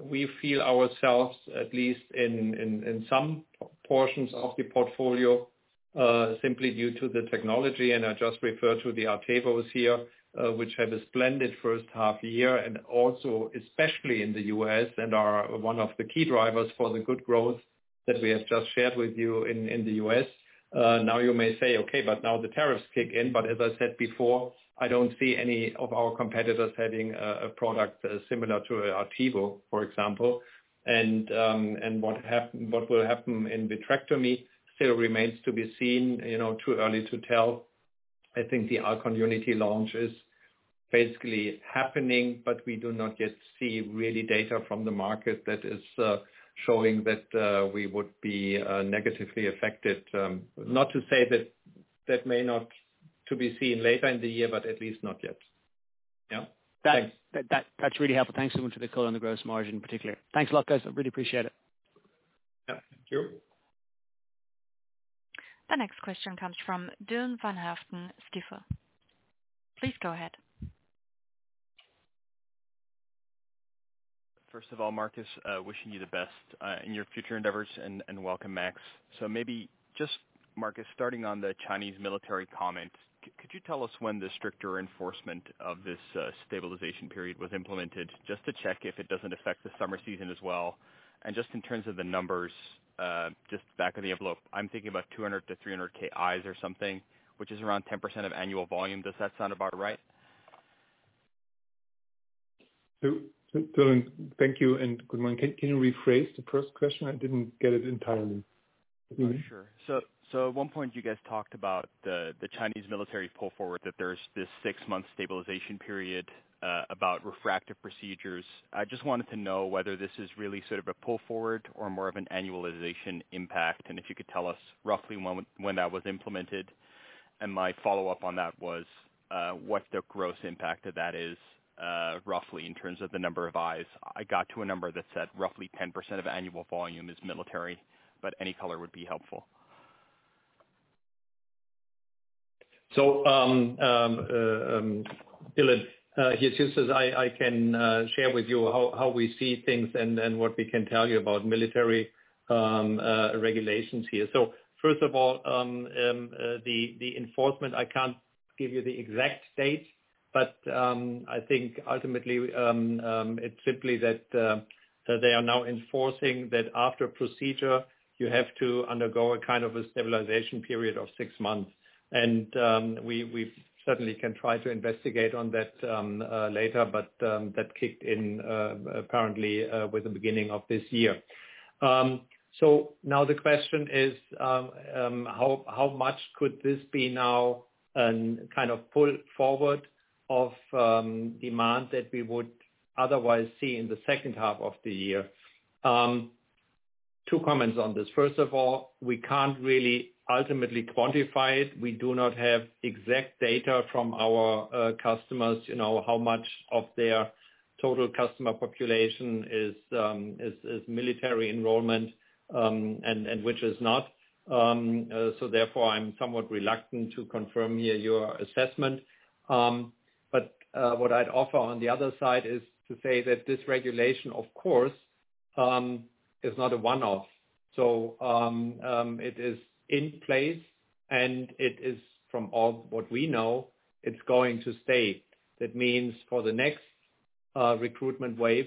we feel ourselves, at least in some portions of the portfolio, simply due to the technology. I just refer to the ARTEVOs here, which have a splendid first half year and also especially in the U.S. and are one of the key drivers for the good growth that we have just shared with you in the U.S. Now you may say, "Okay, but now the tariffs kick in." As I said before, I do not see any of our competitors having a product similar to ARTEVO, for example. What will happen in vitrectomy still remains to be seen. Too early to tell. I think the Alcon UNITY launch is basically happening, but we do not yet see data from the market that is showing that we would be negatively affected. Not to say that that may not be seen later in the year, but at least not yet. Yeah. Thanks. That is really helpful. Thanks so much for the color on the gross margin in particular. Thanks a lot, guys. I really appreciate it. Yeah. Thank you. The next question comes from Dylan van Haaften, Stifel. Please go ahead. First of all, Markus, wishing you the best in your future endeavors and welcome, Max. Maybe just, Markus, starting on the Chinese military comment, could you tell us when the stricter enforcement of this stabilization period was implemented? Just to check if it does not affect the summer season as well. Just in terms of the numbers, just back of the envelope, I am thinking about 200,000-300,000 eyes or something, which is around 10% of annual volume. Does that sound about right? Thank you. Good morning. Can you rephrase the first question? I did not get it entirely. Sure. At one point, you guys talked about the Chinese military pull-forward, that there is this six-month stabilization period about refractive procedures. I just wanted to know whether this is really sort of a pull forward or more of an annualization impact. If you could tell us roughly when that was implemented. My follow-up on that was what the gross impact of that is, roughly, in terms of the number of eyes. I got to a number that said roughly 10% of annual volume is military, but any color would be helpful. Dylan here, Justus, I can share with you how we see things and what we can tell you about military regulations here. First of all, the enforcement, I can't give you the exact date, but I think ultimately it's simply that they are now enforcing that after procedure, you have to undergo a kind of a stabilization period of six months. We certainly can try to investigate on that later, but that kicked in apparently with the beginning of this year. Now the question is, how much could this be now a kind of pull forward of demand that we would otherwise see in the second half of the year? Two comments on this. First of all, we can't really ultimately quantify it. We do not have exact data from our customers how much of their total customer population is military enrollment and which is not. Therefore, I'm somewhat reluctant to confirm here your assessment. What I'd offer on the other side is to say that this regulation, of course, is not a one-off. It is in place, and it is, from all what we know, it's going to stay. That means for the next recruitment wave,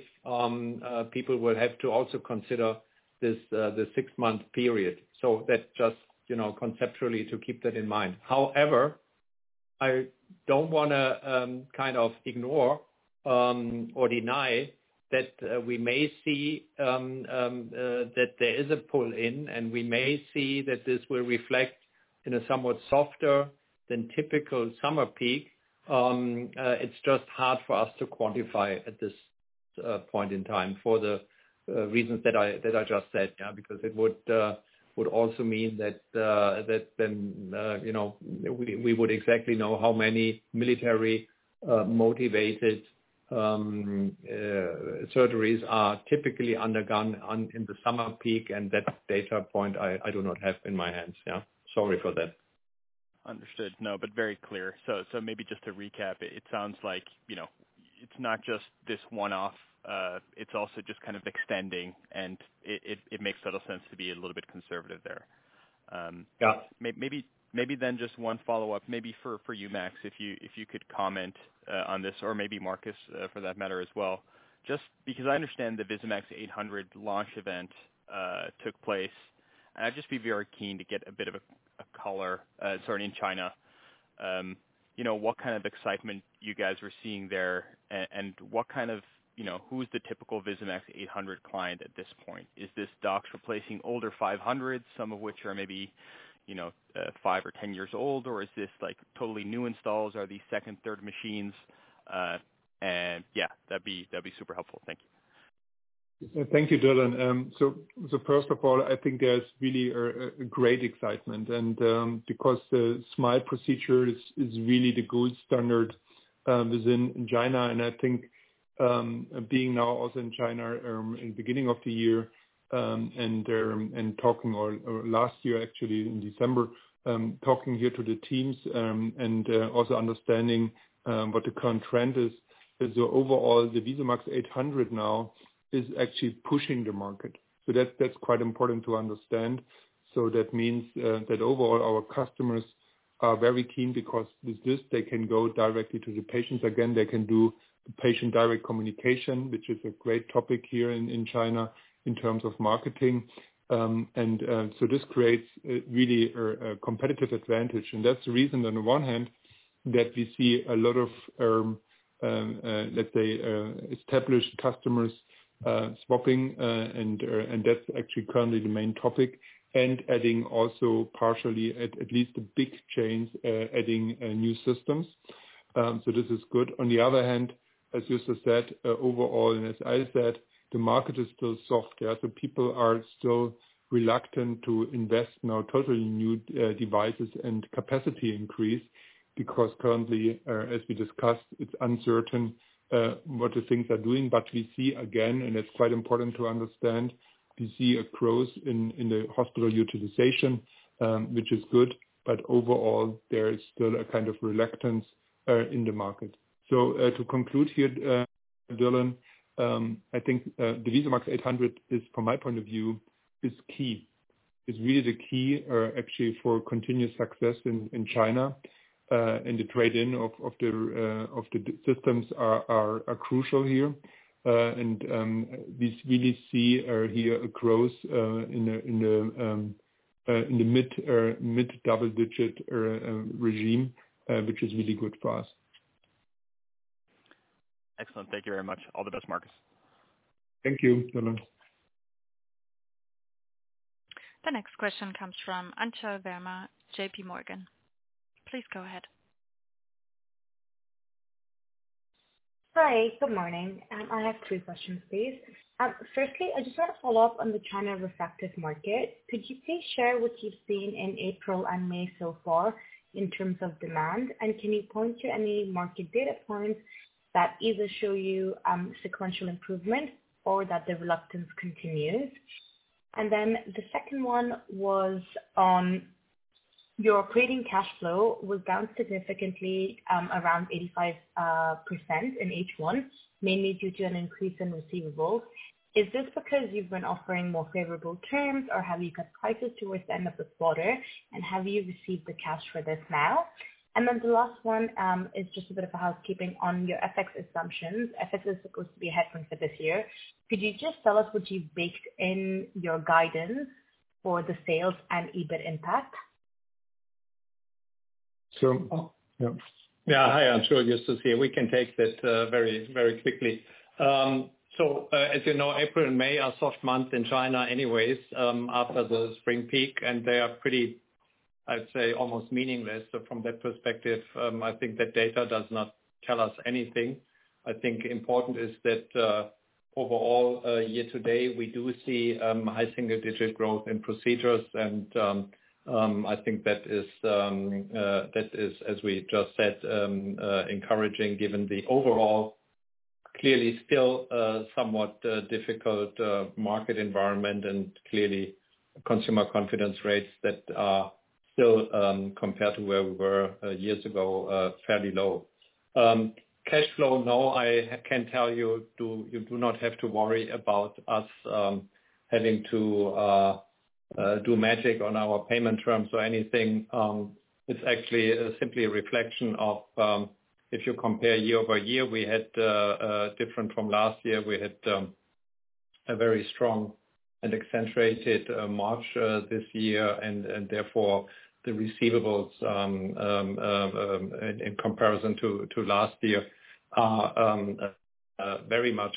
people will have to also consider the six-month period. That just conceptually to keep that in mind. However, I do not want to kind of ignore or deny that we may see that there is a pull-in, and we may see that this will reflect in a somewhat softer than typical summer peak. It is just hard for us to quantify at this point in time for the reasons that I just said, yeah, because it would also mean that then we would exactly know how many military-motivated surgeries are typically undergone in the summer peak. And that data point, I do not have in my hands. Yeah. Sorry for that. Understood. No, but very clear. Maybe just to recap, it sounds like it is not just this one-off. It is also just kind of extending, and it makes a lot of sense to be a little bit conservative there. Maybe then just one follow-up, maybe for you, Max, if you could comment on this, or maybe Markus for that matter as well. Just because I understand the VisuMax 800 launch event took place, and I'd just be very keen to get a bit of a color starting in China. What kind of excitement you guys were seeing there, and what kind of who's the typical VisuMax 800 client at this point? Is this DOCS replacing older 500s, some of which are maybe five or 10 years old, or is this totally new installs? Are these second, third machines? Yeah, that'd be super helpful. Thank you. Thank you, Dylan. First of all, I think there's really a great excitement because the SMILE procedure is really the gold standard within China. I think being now also in China in the beginning of the year and talking last year, actually in December, talking here to the teams and also understanding what the current trend is. Overall, the VisuMax 800 now is actually pushing the market. That is quite important to understand. That means that overall, our customers are very keen because with this, they can go directly to the patients. Again, they can do patient-direct communication, which is a great topic here in China in terms of marketing. This creates really a competitive advantage. That is the reason on the one hand that we see a lot of, let's say, established customers swapping. That is actually currently the main topic. Adding also partially, at least the big chains, adding new systems. This is good. On the other hand, as Justus said, overall, and as I said, the market is still soft. Yeah. People are still reluctant to invest in our totally new devices and capacity increase because currently, as we discussed, it is uncertain what the things are doing. We see again, and it is quite important to understand, we see a growth in the hospital utilization, which is good. Overall, there is still a kind of reluctance in the market. To conclude here, Dylan, I think the VisuMax 800 is, from my point of view, key. It is really the key actually for continued success in China. The trade-in of the systems is crucial here. We really see here a growth in the mid-double-digit regime, which is really good for us. Excellent. Thank you very much. All the best, Markus. Thank you, Dylan. The next question comes from Anchal Verma, J.P. Morgan. Please go ahead. Hi. Good morning. I have three questions, please. Firstly, I just want to follow up on the China refractive market. Could you please share what you've seen in April and May so far in terms of demand? Can you point to any market data points that either show you sequential improvement or that the reluctance continues? The second one was on your operating cash flow, which was down significantly, around 85% in H1, mainly due to an increase in receivables. Is this because you've been offering more favorable terms, or have you cut prices towards the end of the quarter, and have you received the cash for this now? The last one is just a bit of housekeeping on your FX assumptions. FX is supposed to be a headwind for this year. Could you just tell us what you baked in your guidance for the sales and EBIT impact? Sure. Yeah. Hi, Anchal, Justus here. We can take that very quickly. As you know, April and May are soft months in China anyways after the spring peak, and they are pretty, I'd say, almost meaningless. From that perspective, I think that data does not tell us anything. I think important is that overall, year to date, we do see high single-digit growth in procedures. I think that is, as we just said, encouraging given the overall clearly still somewhat difficult market environment and clearly consumer confidence rates that are still, compared to where we were years ago, fairly low. Cash flow, no, I can tell you you do not have to worry about us having to do magic on our payment terms or anything. It's actually simply a reflection of if you compare year-over-year, we had different from last year. We had a very strong and accentuated March this year. Therefore, the receivables in comparison to last year are very much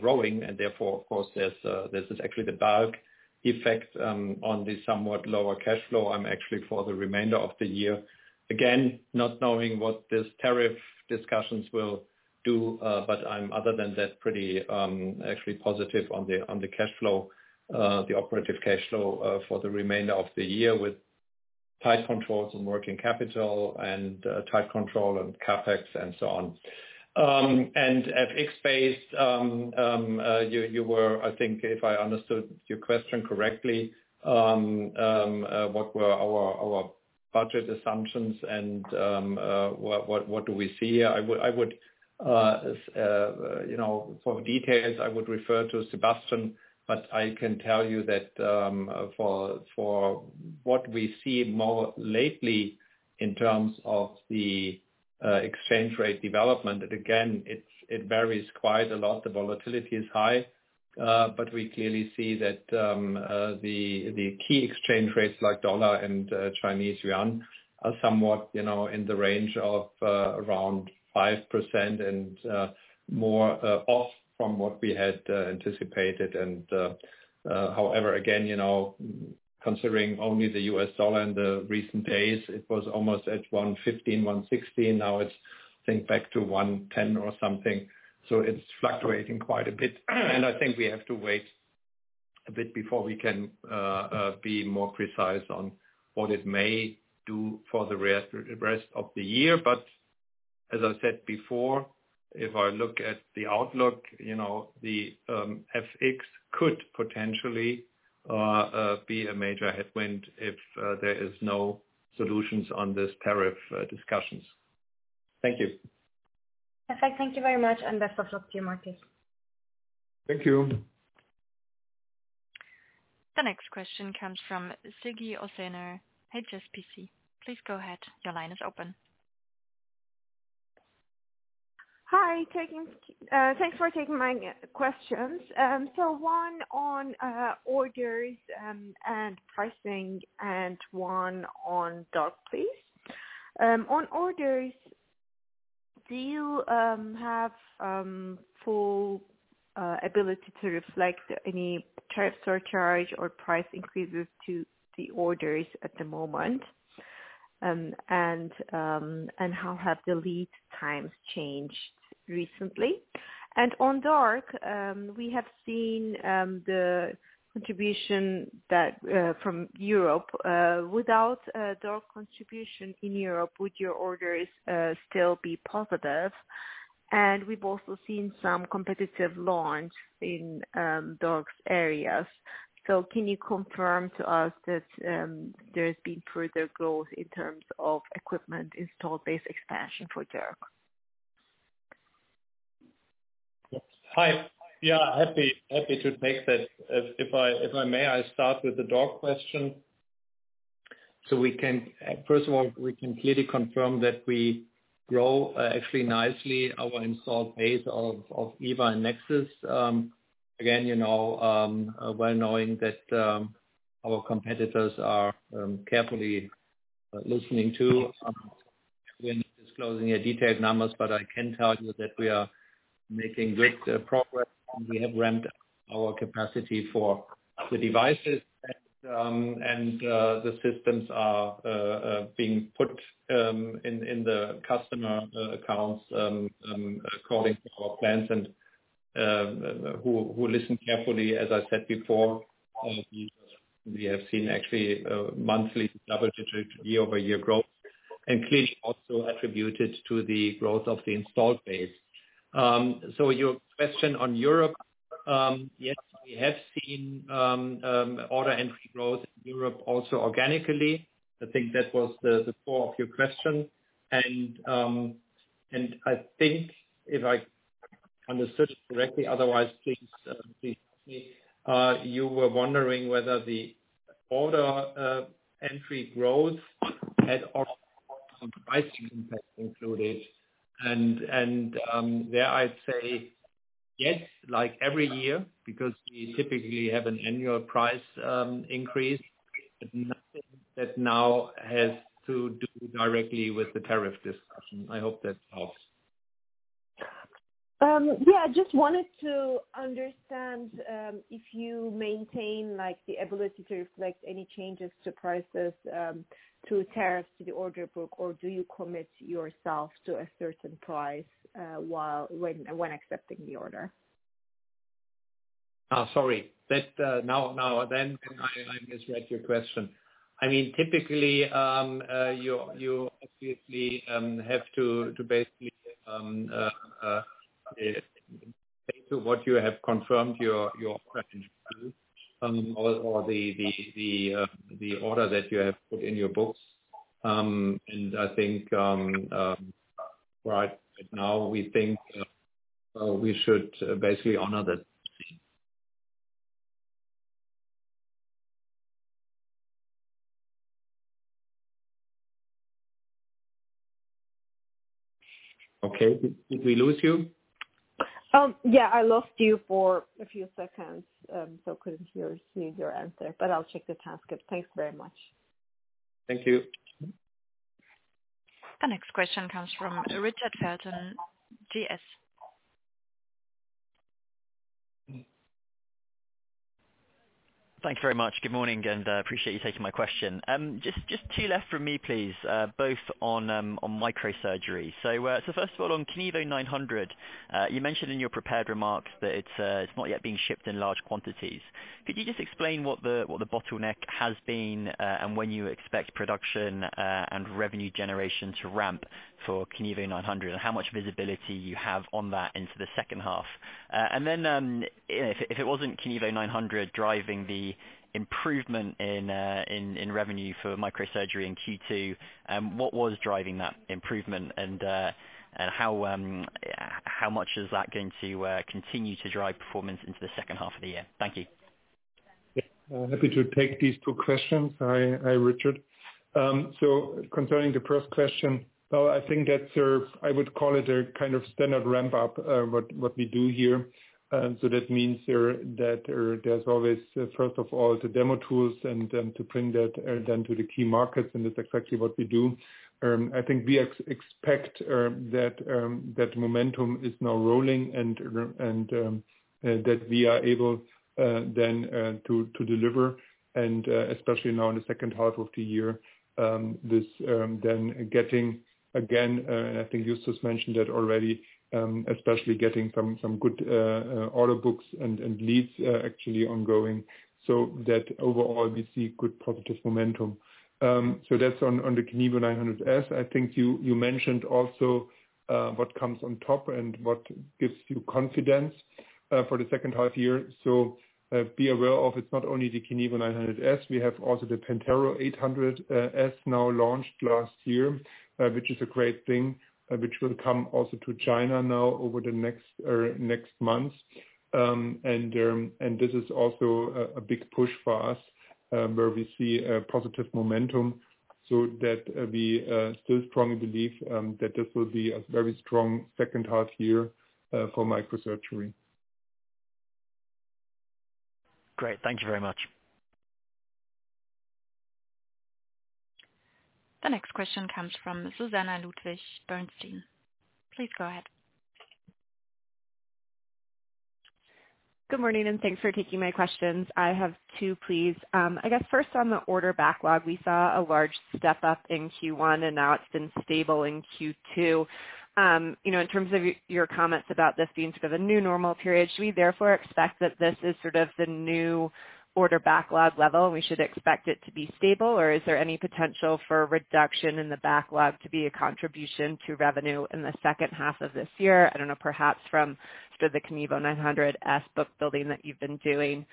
growing. Therefore, of course, there's actually the bulk effect on the somewhat lower cash flow actually for the remainder of the year. Again, not knowing what this tariff discussions will do, but I'm, other than that, pretty actually positive on the cash flow, the operative cash flow for the remainder of the year with tight controls on working capital and tight control on CapEx and so on. FX-based, you were, I think, if I understood your question correctly, what were our budget assumptions and what do we see here? I would, for details, I would refer to Sebastian, but I can tell you that for what we see more lately in terms of the exchange rate development, again, it varies quite a lot. The volatility is high, but we clearly see that the key exchange rates like dollar and Chinese yuan are somewhat in the range of around 5% and more off from what we had anticipated. However, again, considering only the U.S. dollar in the recent days, it was almost at $1.15, $1.16. Now it's, I think, back to $1.10 or something. It is fluctuating quite a bit. I think we have to wait a bit before we can be more precise on what it may do for the rest of the year. As I said before, if I look at the outlook, the FX could potentially be a major headwind if there are no solutions on these tariff discussions. Thank you. Perfect. Thank you very much. And best of luck to you, Markus. Thank you. The next question comes from Sezgi Ozener, HSBC. Please go ahead. Your line is open. Hi. Thanks for taking my questions. One on orders and pricing and one on DORC, please. On orders, do you have full ability to reflect any tariffs or charge or price increases to the orders at the moment? How have the lead times changed recently? On DORC, we have seen the contribution from Europe. Without DORC contribution in Europe, would your orders still be positive? We have also seen some competitive launch in DORC areas. Can you confirm to us that there has been further growth in terms of equipment installed-base expansion for DORC? Hi. Yeah. Happy to take that. If I may, I start with the DORC question. First of all, we can clearly confirm that we grow actually nicely our installed base of EVA and NEXUS. Again, well knowing that our competitors are carefully listening too. I am not disclosing detailed numbers, but I can tell you that we are making good progress. We have ramped our capacity for the devices, and the systems are being put in the customer accounts according to our plans. And who listened carefully, as I said before, we have seen actually monthly double-digit year-over-year growth, and clearly also attributed to the growth of the installed base. Your question on Europe, yes, we have seen order entry growth in Europe also organically. I think that was the core of your question. I think, if I understood it correctly, otherwise, please ask me, you were wondering whether the order entry growth had also pricing impact included. There I'd say yes, like every year, because we typically have an annual price increase, but nothing that now has to do directly with the tariff discussion. I hope that helps. Yeah. I just wanted to understand if you maintain the ability to reflect any changes to prices through tariffs to the order book, or do you commit yourself to a certain price when accepting the order? Sorry. I misread your question. I mean, typically, you obviously have to basically pay to what you have confirmed your offering to, or the order that you have put in your books. I think right now, we think we should basically honor that. Okay. Did we lose you? Yeah. I lost you for a few seconds, so I couldn't hear your answer, but I'll check the transcript. Thanks very much. Thank you. The next question comes from Richard Felton, GS. Thanks very much. Good morning, and I appreciate you taking my question. Just two left from me, please, both on microsurgery. First of all, on KINEVO 900, you mentioned in your prepared remarks that it's not yet being shipped in large quantities. Could you just explain what the bottleneck has been and when you expect production and revenue generation to ramp for KINEVO 900, and how much visibility you have on that into the second half? If it was not KINEVO 900 driving the improvement in revenue for microsurgery in Q2, what was driving that improvement, and how much is that going to continue to drive performance into the second half of the year? Thank you. Happy to take these two questions. Hi, Richard. Concerning the first question, I think that I would call it a kind of standard ramp-up, what we do here. That means that there is always, first of all, the demo tools and to bring that then to the key markets, and that is exactly what we do. I think we expect that momentum is now rolling and that we are able then to deliver. Especially now in the second half of the year, this is then getting again, and I think Justus mentioned that already, especially getting some good order books and leads actually ongoing so that overall we see good positive momentum. That is on the KINEVO 900 S. I think you mentioned also what comes on top and what gives you confidence for the second half year. Be aware it is not only the KINEVO 900 S. We have also the PENTERO 800 S now launched last year, which is a great thing, which will come also to China now over the next months. This is also a big push for us where we see positive momentum so that we still strongly believe that this will be a very strong second half year for microsurgery. Great. Thank you very much. The next question comes from Susannah Ludwig Bernstein. Please go ahead. Good morning, and thanks for taking my questions. I have two, please. I guess first on the order backlog, we saw a large step up in Q1, and now it's been stable in Q2. In terms of your comments about this being sort of a new normal period, should we therefore expect that this is sort of the new order backlog level and we should expect it to be stable, or is there any potential for reduction in the backlog to be a contribution to revenue in the second half of this year? I don't know, perhaps from the KINEVO 900 S book building that you've been doing.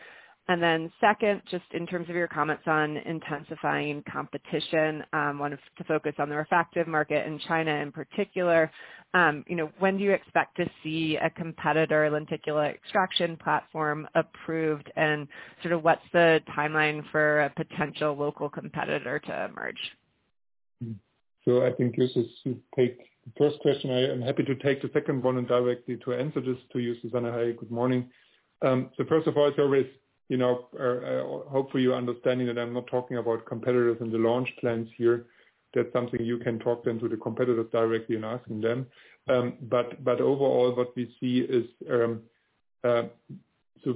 And then second, just in terms of your comments on intensifying competition, wanted to focus on the refractive market in China in particular. When do you expect to see a competitor, a lenticular extraction platform, approved, and sort of what's the timeline for a potential local competitor to emerge? I think Justus should take the first question. I am happy to take the second one and directly to answer this to you, Susanna. Hi, good morning. First of all, hopefully you understand that I'm not talking about competitors and the launch plans here. That is something you can then talk to the competitors directly and ask them. Overall, what we see is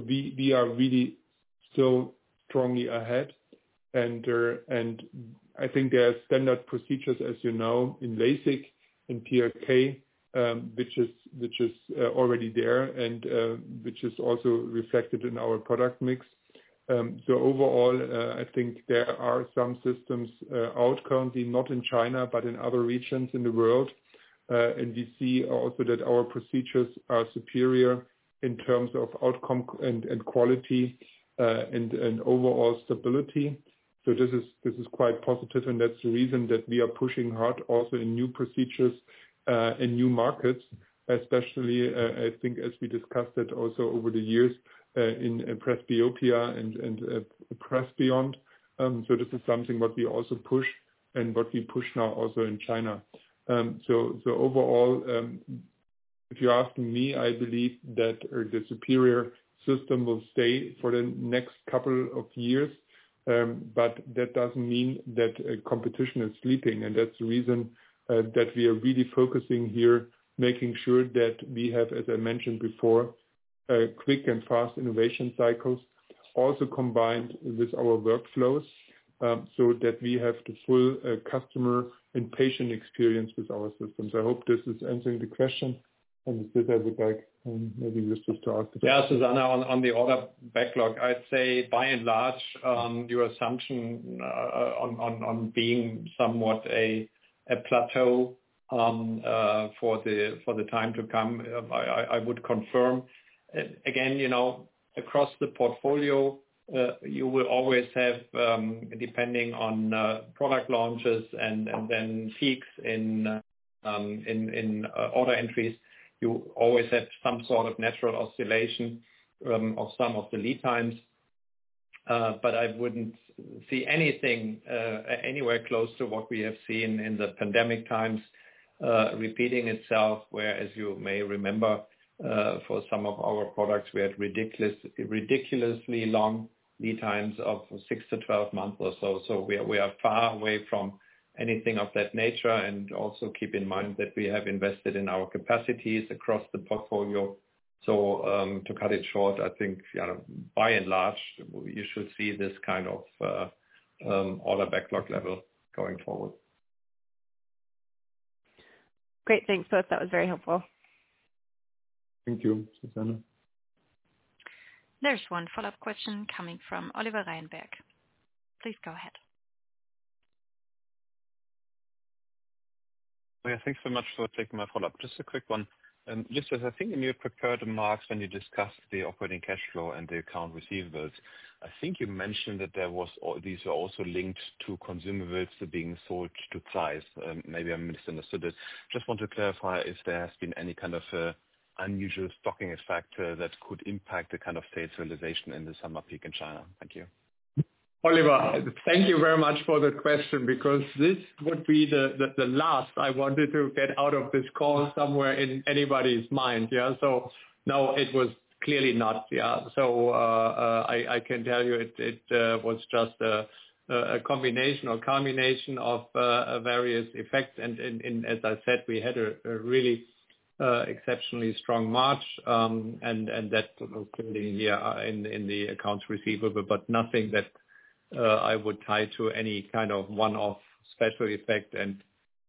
we are really still strongly ahead. I think there are standard procedures, as you know, in LASIK and PRK, which are already there and which are also reflected in our product mix. Overall, I think there are some systems out currently, not in China, but in other regions in the world. We see also that our procedures are superior in terms of outcome and quality and overall stability. This is quite positive, and that is the reason that we are pushing hard also in new procedures in new markets, especially I think as we discussed it also over the years in Presbyopia and PRESBYOND. This is something that we also push and what we push now also in China. Overall, if you ask me, I believe that the superior system will stay for the next couple of years, but that does not mean that competition is sleeping. That is the reason that we are really focusing here, making sure that we have, as I mentioned before, quick and fast innovation cycles also combined with our workflows so that we have the full customer and patient experience with our systems. I hope this is answering the question. It is just I would like maybe Justus to ask the question. Yeah, Susanna, on the order backlog, I would say by and large your assumption on being somewhat a plateau for the time to come, I would confirm. Again, across the portfolio, you will always have, depending on product launches and then peaks in order entries, you always have some sort of natural oscillation of some of the lead times. I would not see anything anywhere close to what we have seen in the pandemic times repeating itself, whereas you may remember for some of our products, we had ridiculously long lead times of six to 12 months or so. We are far away from anything of that nature. Also keep in mind that we have invested in our capacities across the portfolio. To cut it short, I think by and large, you should see this kind of order backlog level going forward. Great. Thanks, both. That was very helpful. Thank you, Susannah. There is one follow-up question coming from Oliver Reinberg. Please go ahead. Yeah. Thanks so much for taking my follow-up. Just a quick one. Justus, I think in your prepared remarks when you discussed the operating cash flow and the account receivables, I think you mentioned that these were also linked to consumables being sold to price. Maybe I misunderstood it. Just want to clarify if there has been any kind of unusual stocking effect that could impact the kind of sales realization in the summer peak in China. Thank you. Oliver, thank you very much for the question because this would be the last I wanted to get out of this call somewhere in anybody's mind. Yeah. No, it was clearly not. Yeah. I can tell you it was just a combination or combination of various effects. As I said, we had a really exceptionally strong March and that sort of building here in the accounts receivable, but nothing that I would tie to any kind of one-off special effect and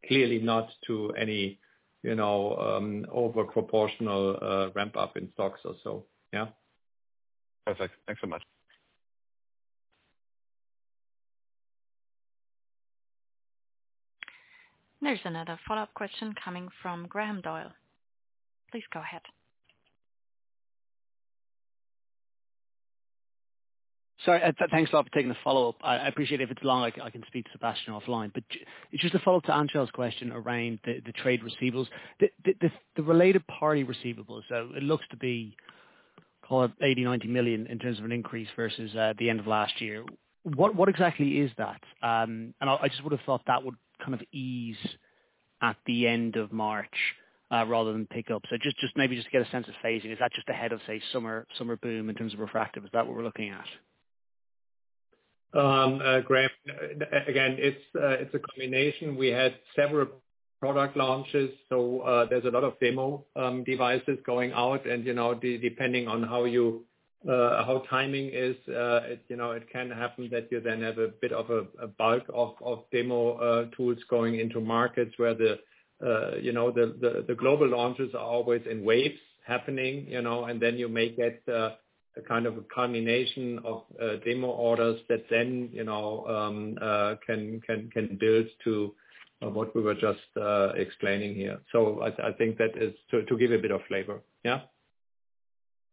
clearly not to any overproportional ramp-up in stocks or so. Yeah. Perfect. Thanks so much. There is another follow-up question coming from Graham Doyle. Please go ahead. Sorry. Thanks a lot for taking the follow-up. I appreciate it if it is long, I can speak to Sebastian offline. Just to follow up to Anchal's question around the trade receivables, the related party receivables, it looks to be called 80 million-90 million in terms of an increase versus the end of last year. What exactly is that? I just would have thought that would kind of ease at the end of March rather than pick up. Just maybe to get a sense of phasing, is that just ahead of, say, summer boom in terms of refractive? Is that what we're looking at? Graham, again, it's a combination. We had several product launches, so there's a lot of demo devices going out. Depending on how timing is, it can happen that you then have a bit of a bulk of demo tools going into markets where the global launches are always in waves happening. You may get a kind of a combination of demo orders that then can build to what we were just explaining here. I think that is to give you a bit of flavor. Yeah.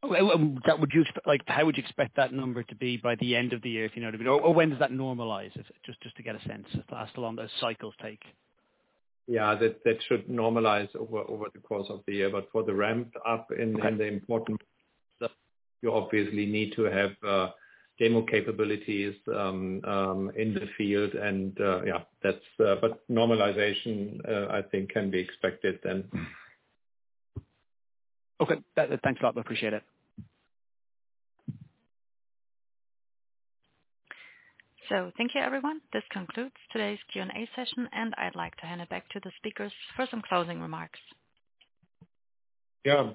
How would you expect that number to be by the end of the year, if you know what I mean? Or when does that normalize? Just to get a sense of how long those cycles take. Yeah. That should normalize over the course of the year. For the ramp-up and the important stuff, you obviously need to have demo capabilities in the field. Yeah, but normalization, I think, can be expected then. Okay. Thanks a lot. Appreciate it. Thank you, everyone. This concludes today's Q&A session, and I'd like to hand it back to the speakers for some closing remarks. Yeah.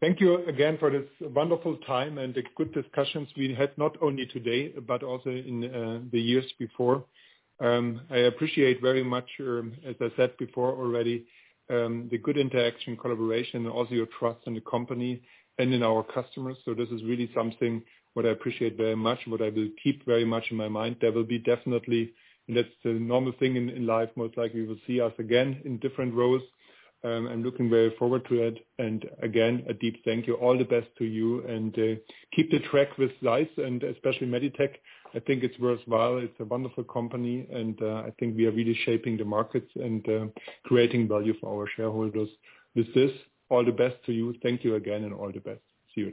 Thank you again for this wonderful time and the good discussions we had not only today but also in the years before. I appreciate very much, as I said before already, the good interaction, collaboration, and also your trust in the company and in our customers. This is really something what I appreciate very much and what I will keep very much in my mind. There will be definitely, and that's the normal thing in life, most likely you will see us again in different roles. I'm looking very forward to it. Again, a deep thank you. All the best to you, and keep the track with ZEISS and especially Meditec. I think it's worthwhile. It's a wonderful company, and I think we are really shaping the markets and creating value for our shareholders. With this, all the best to you. Thank you again, and all the best. See you.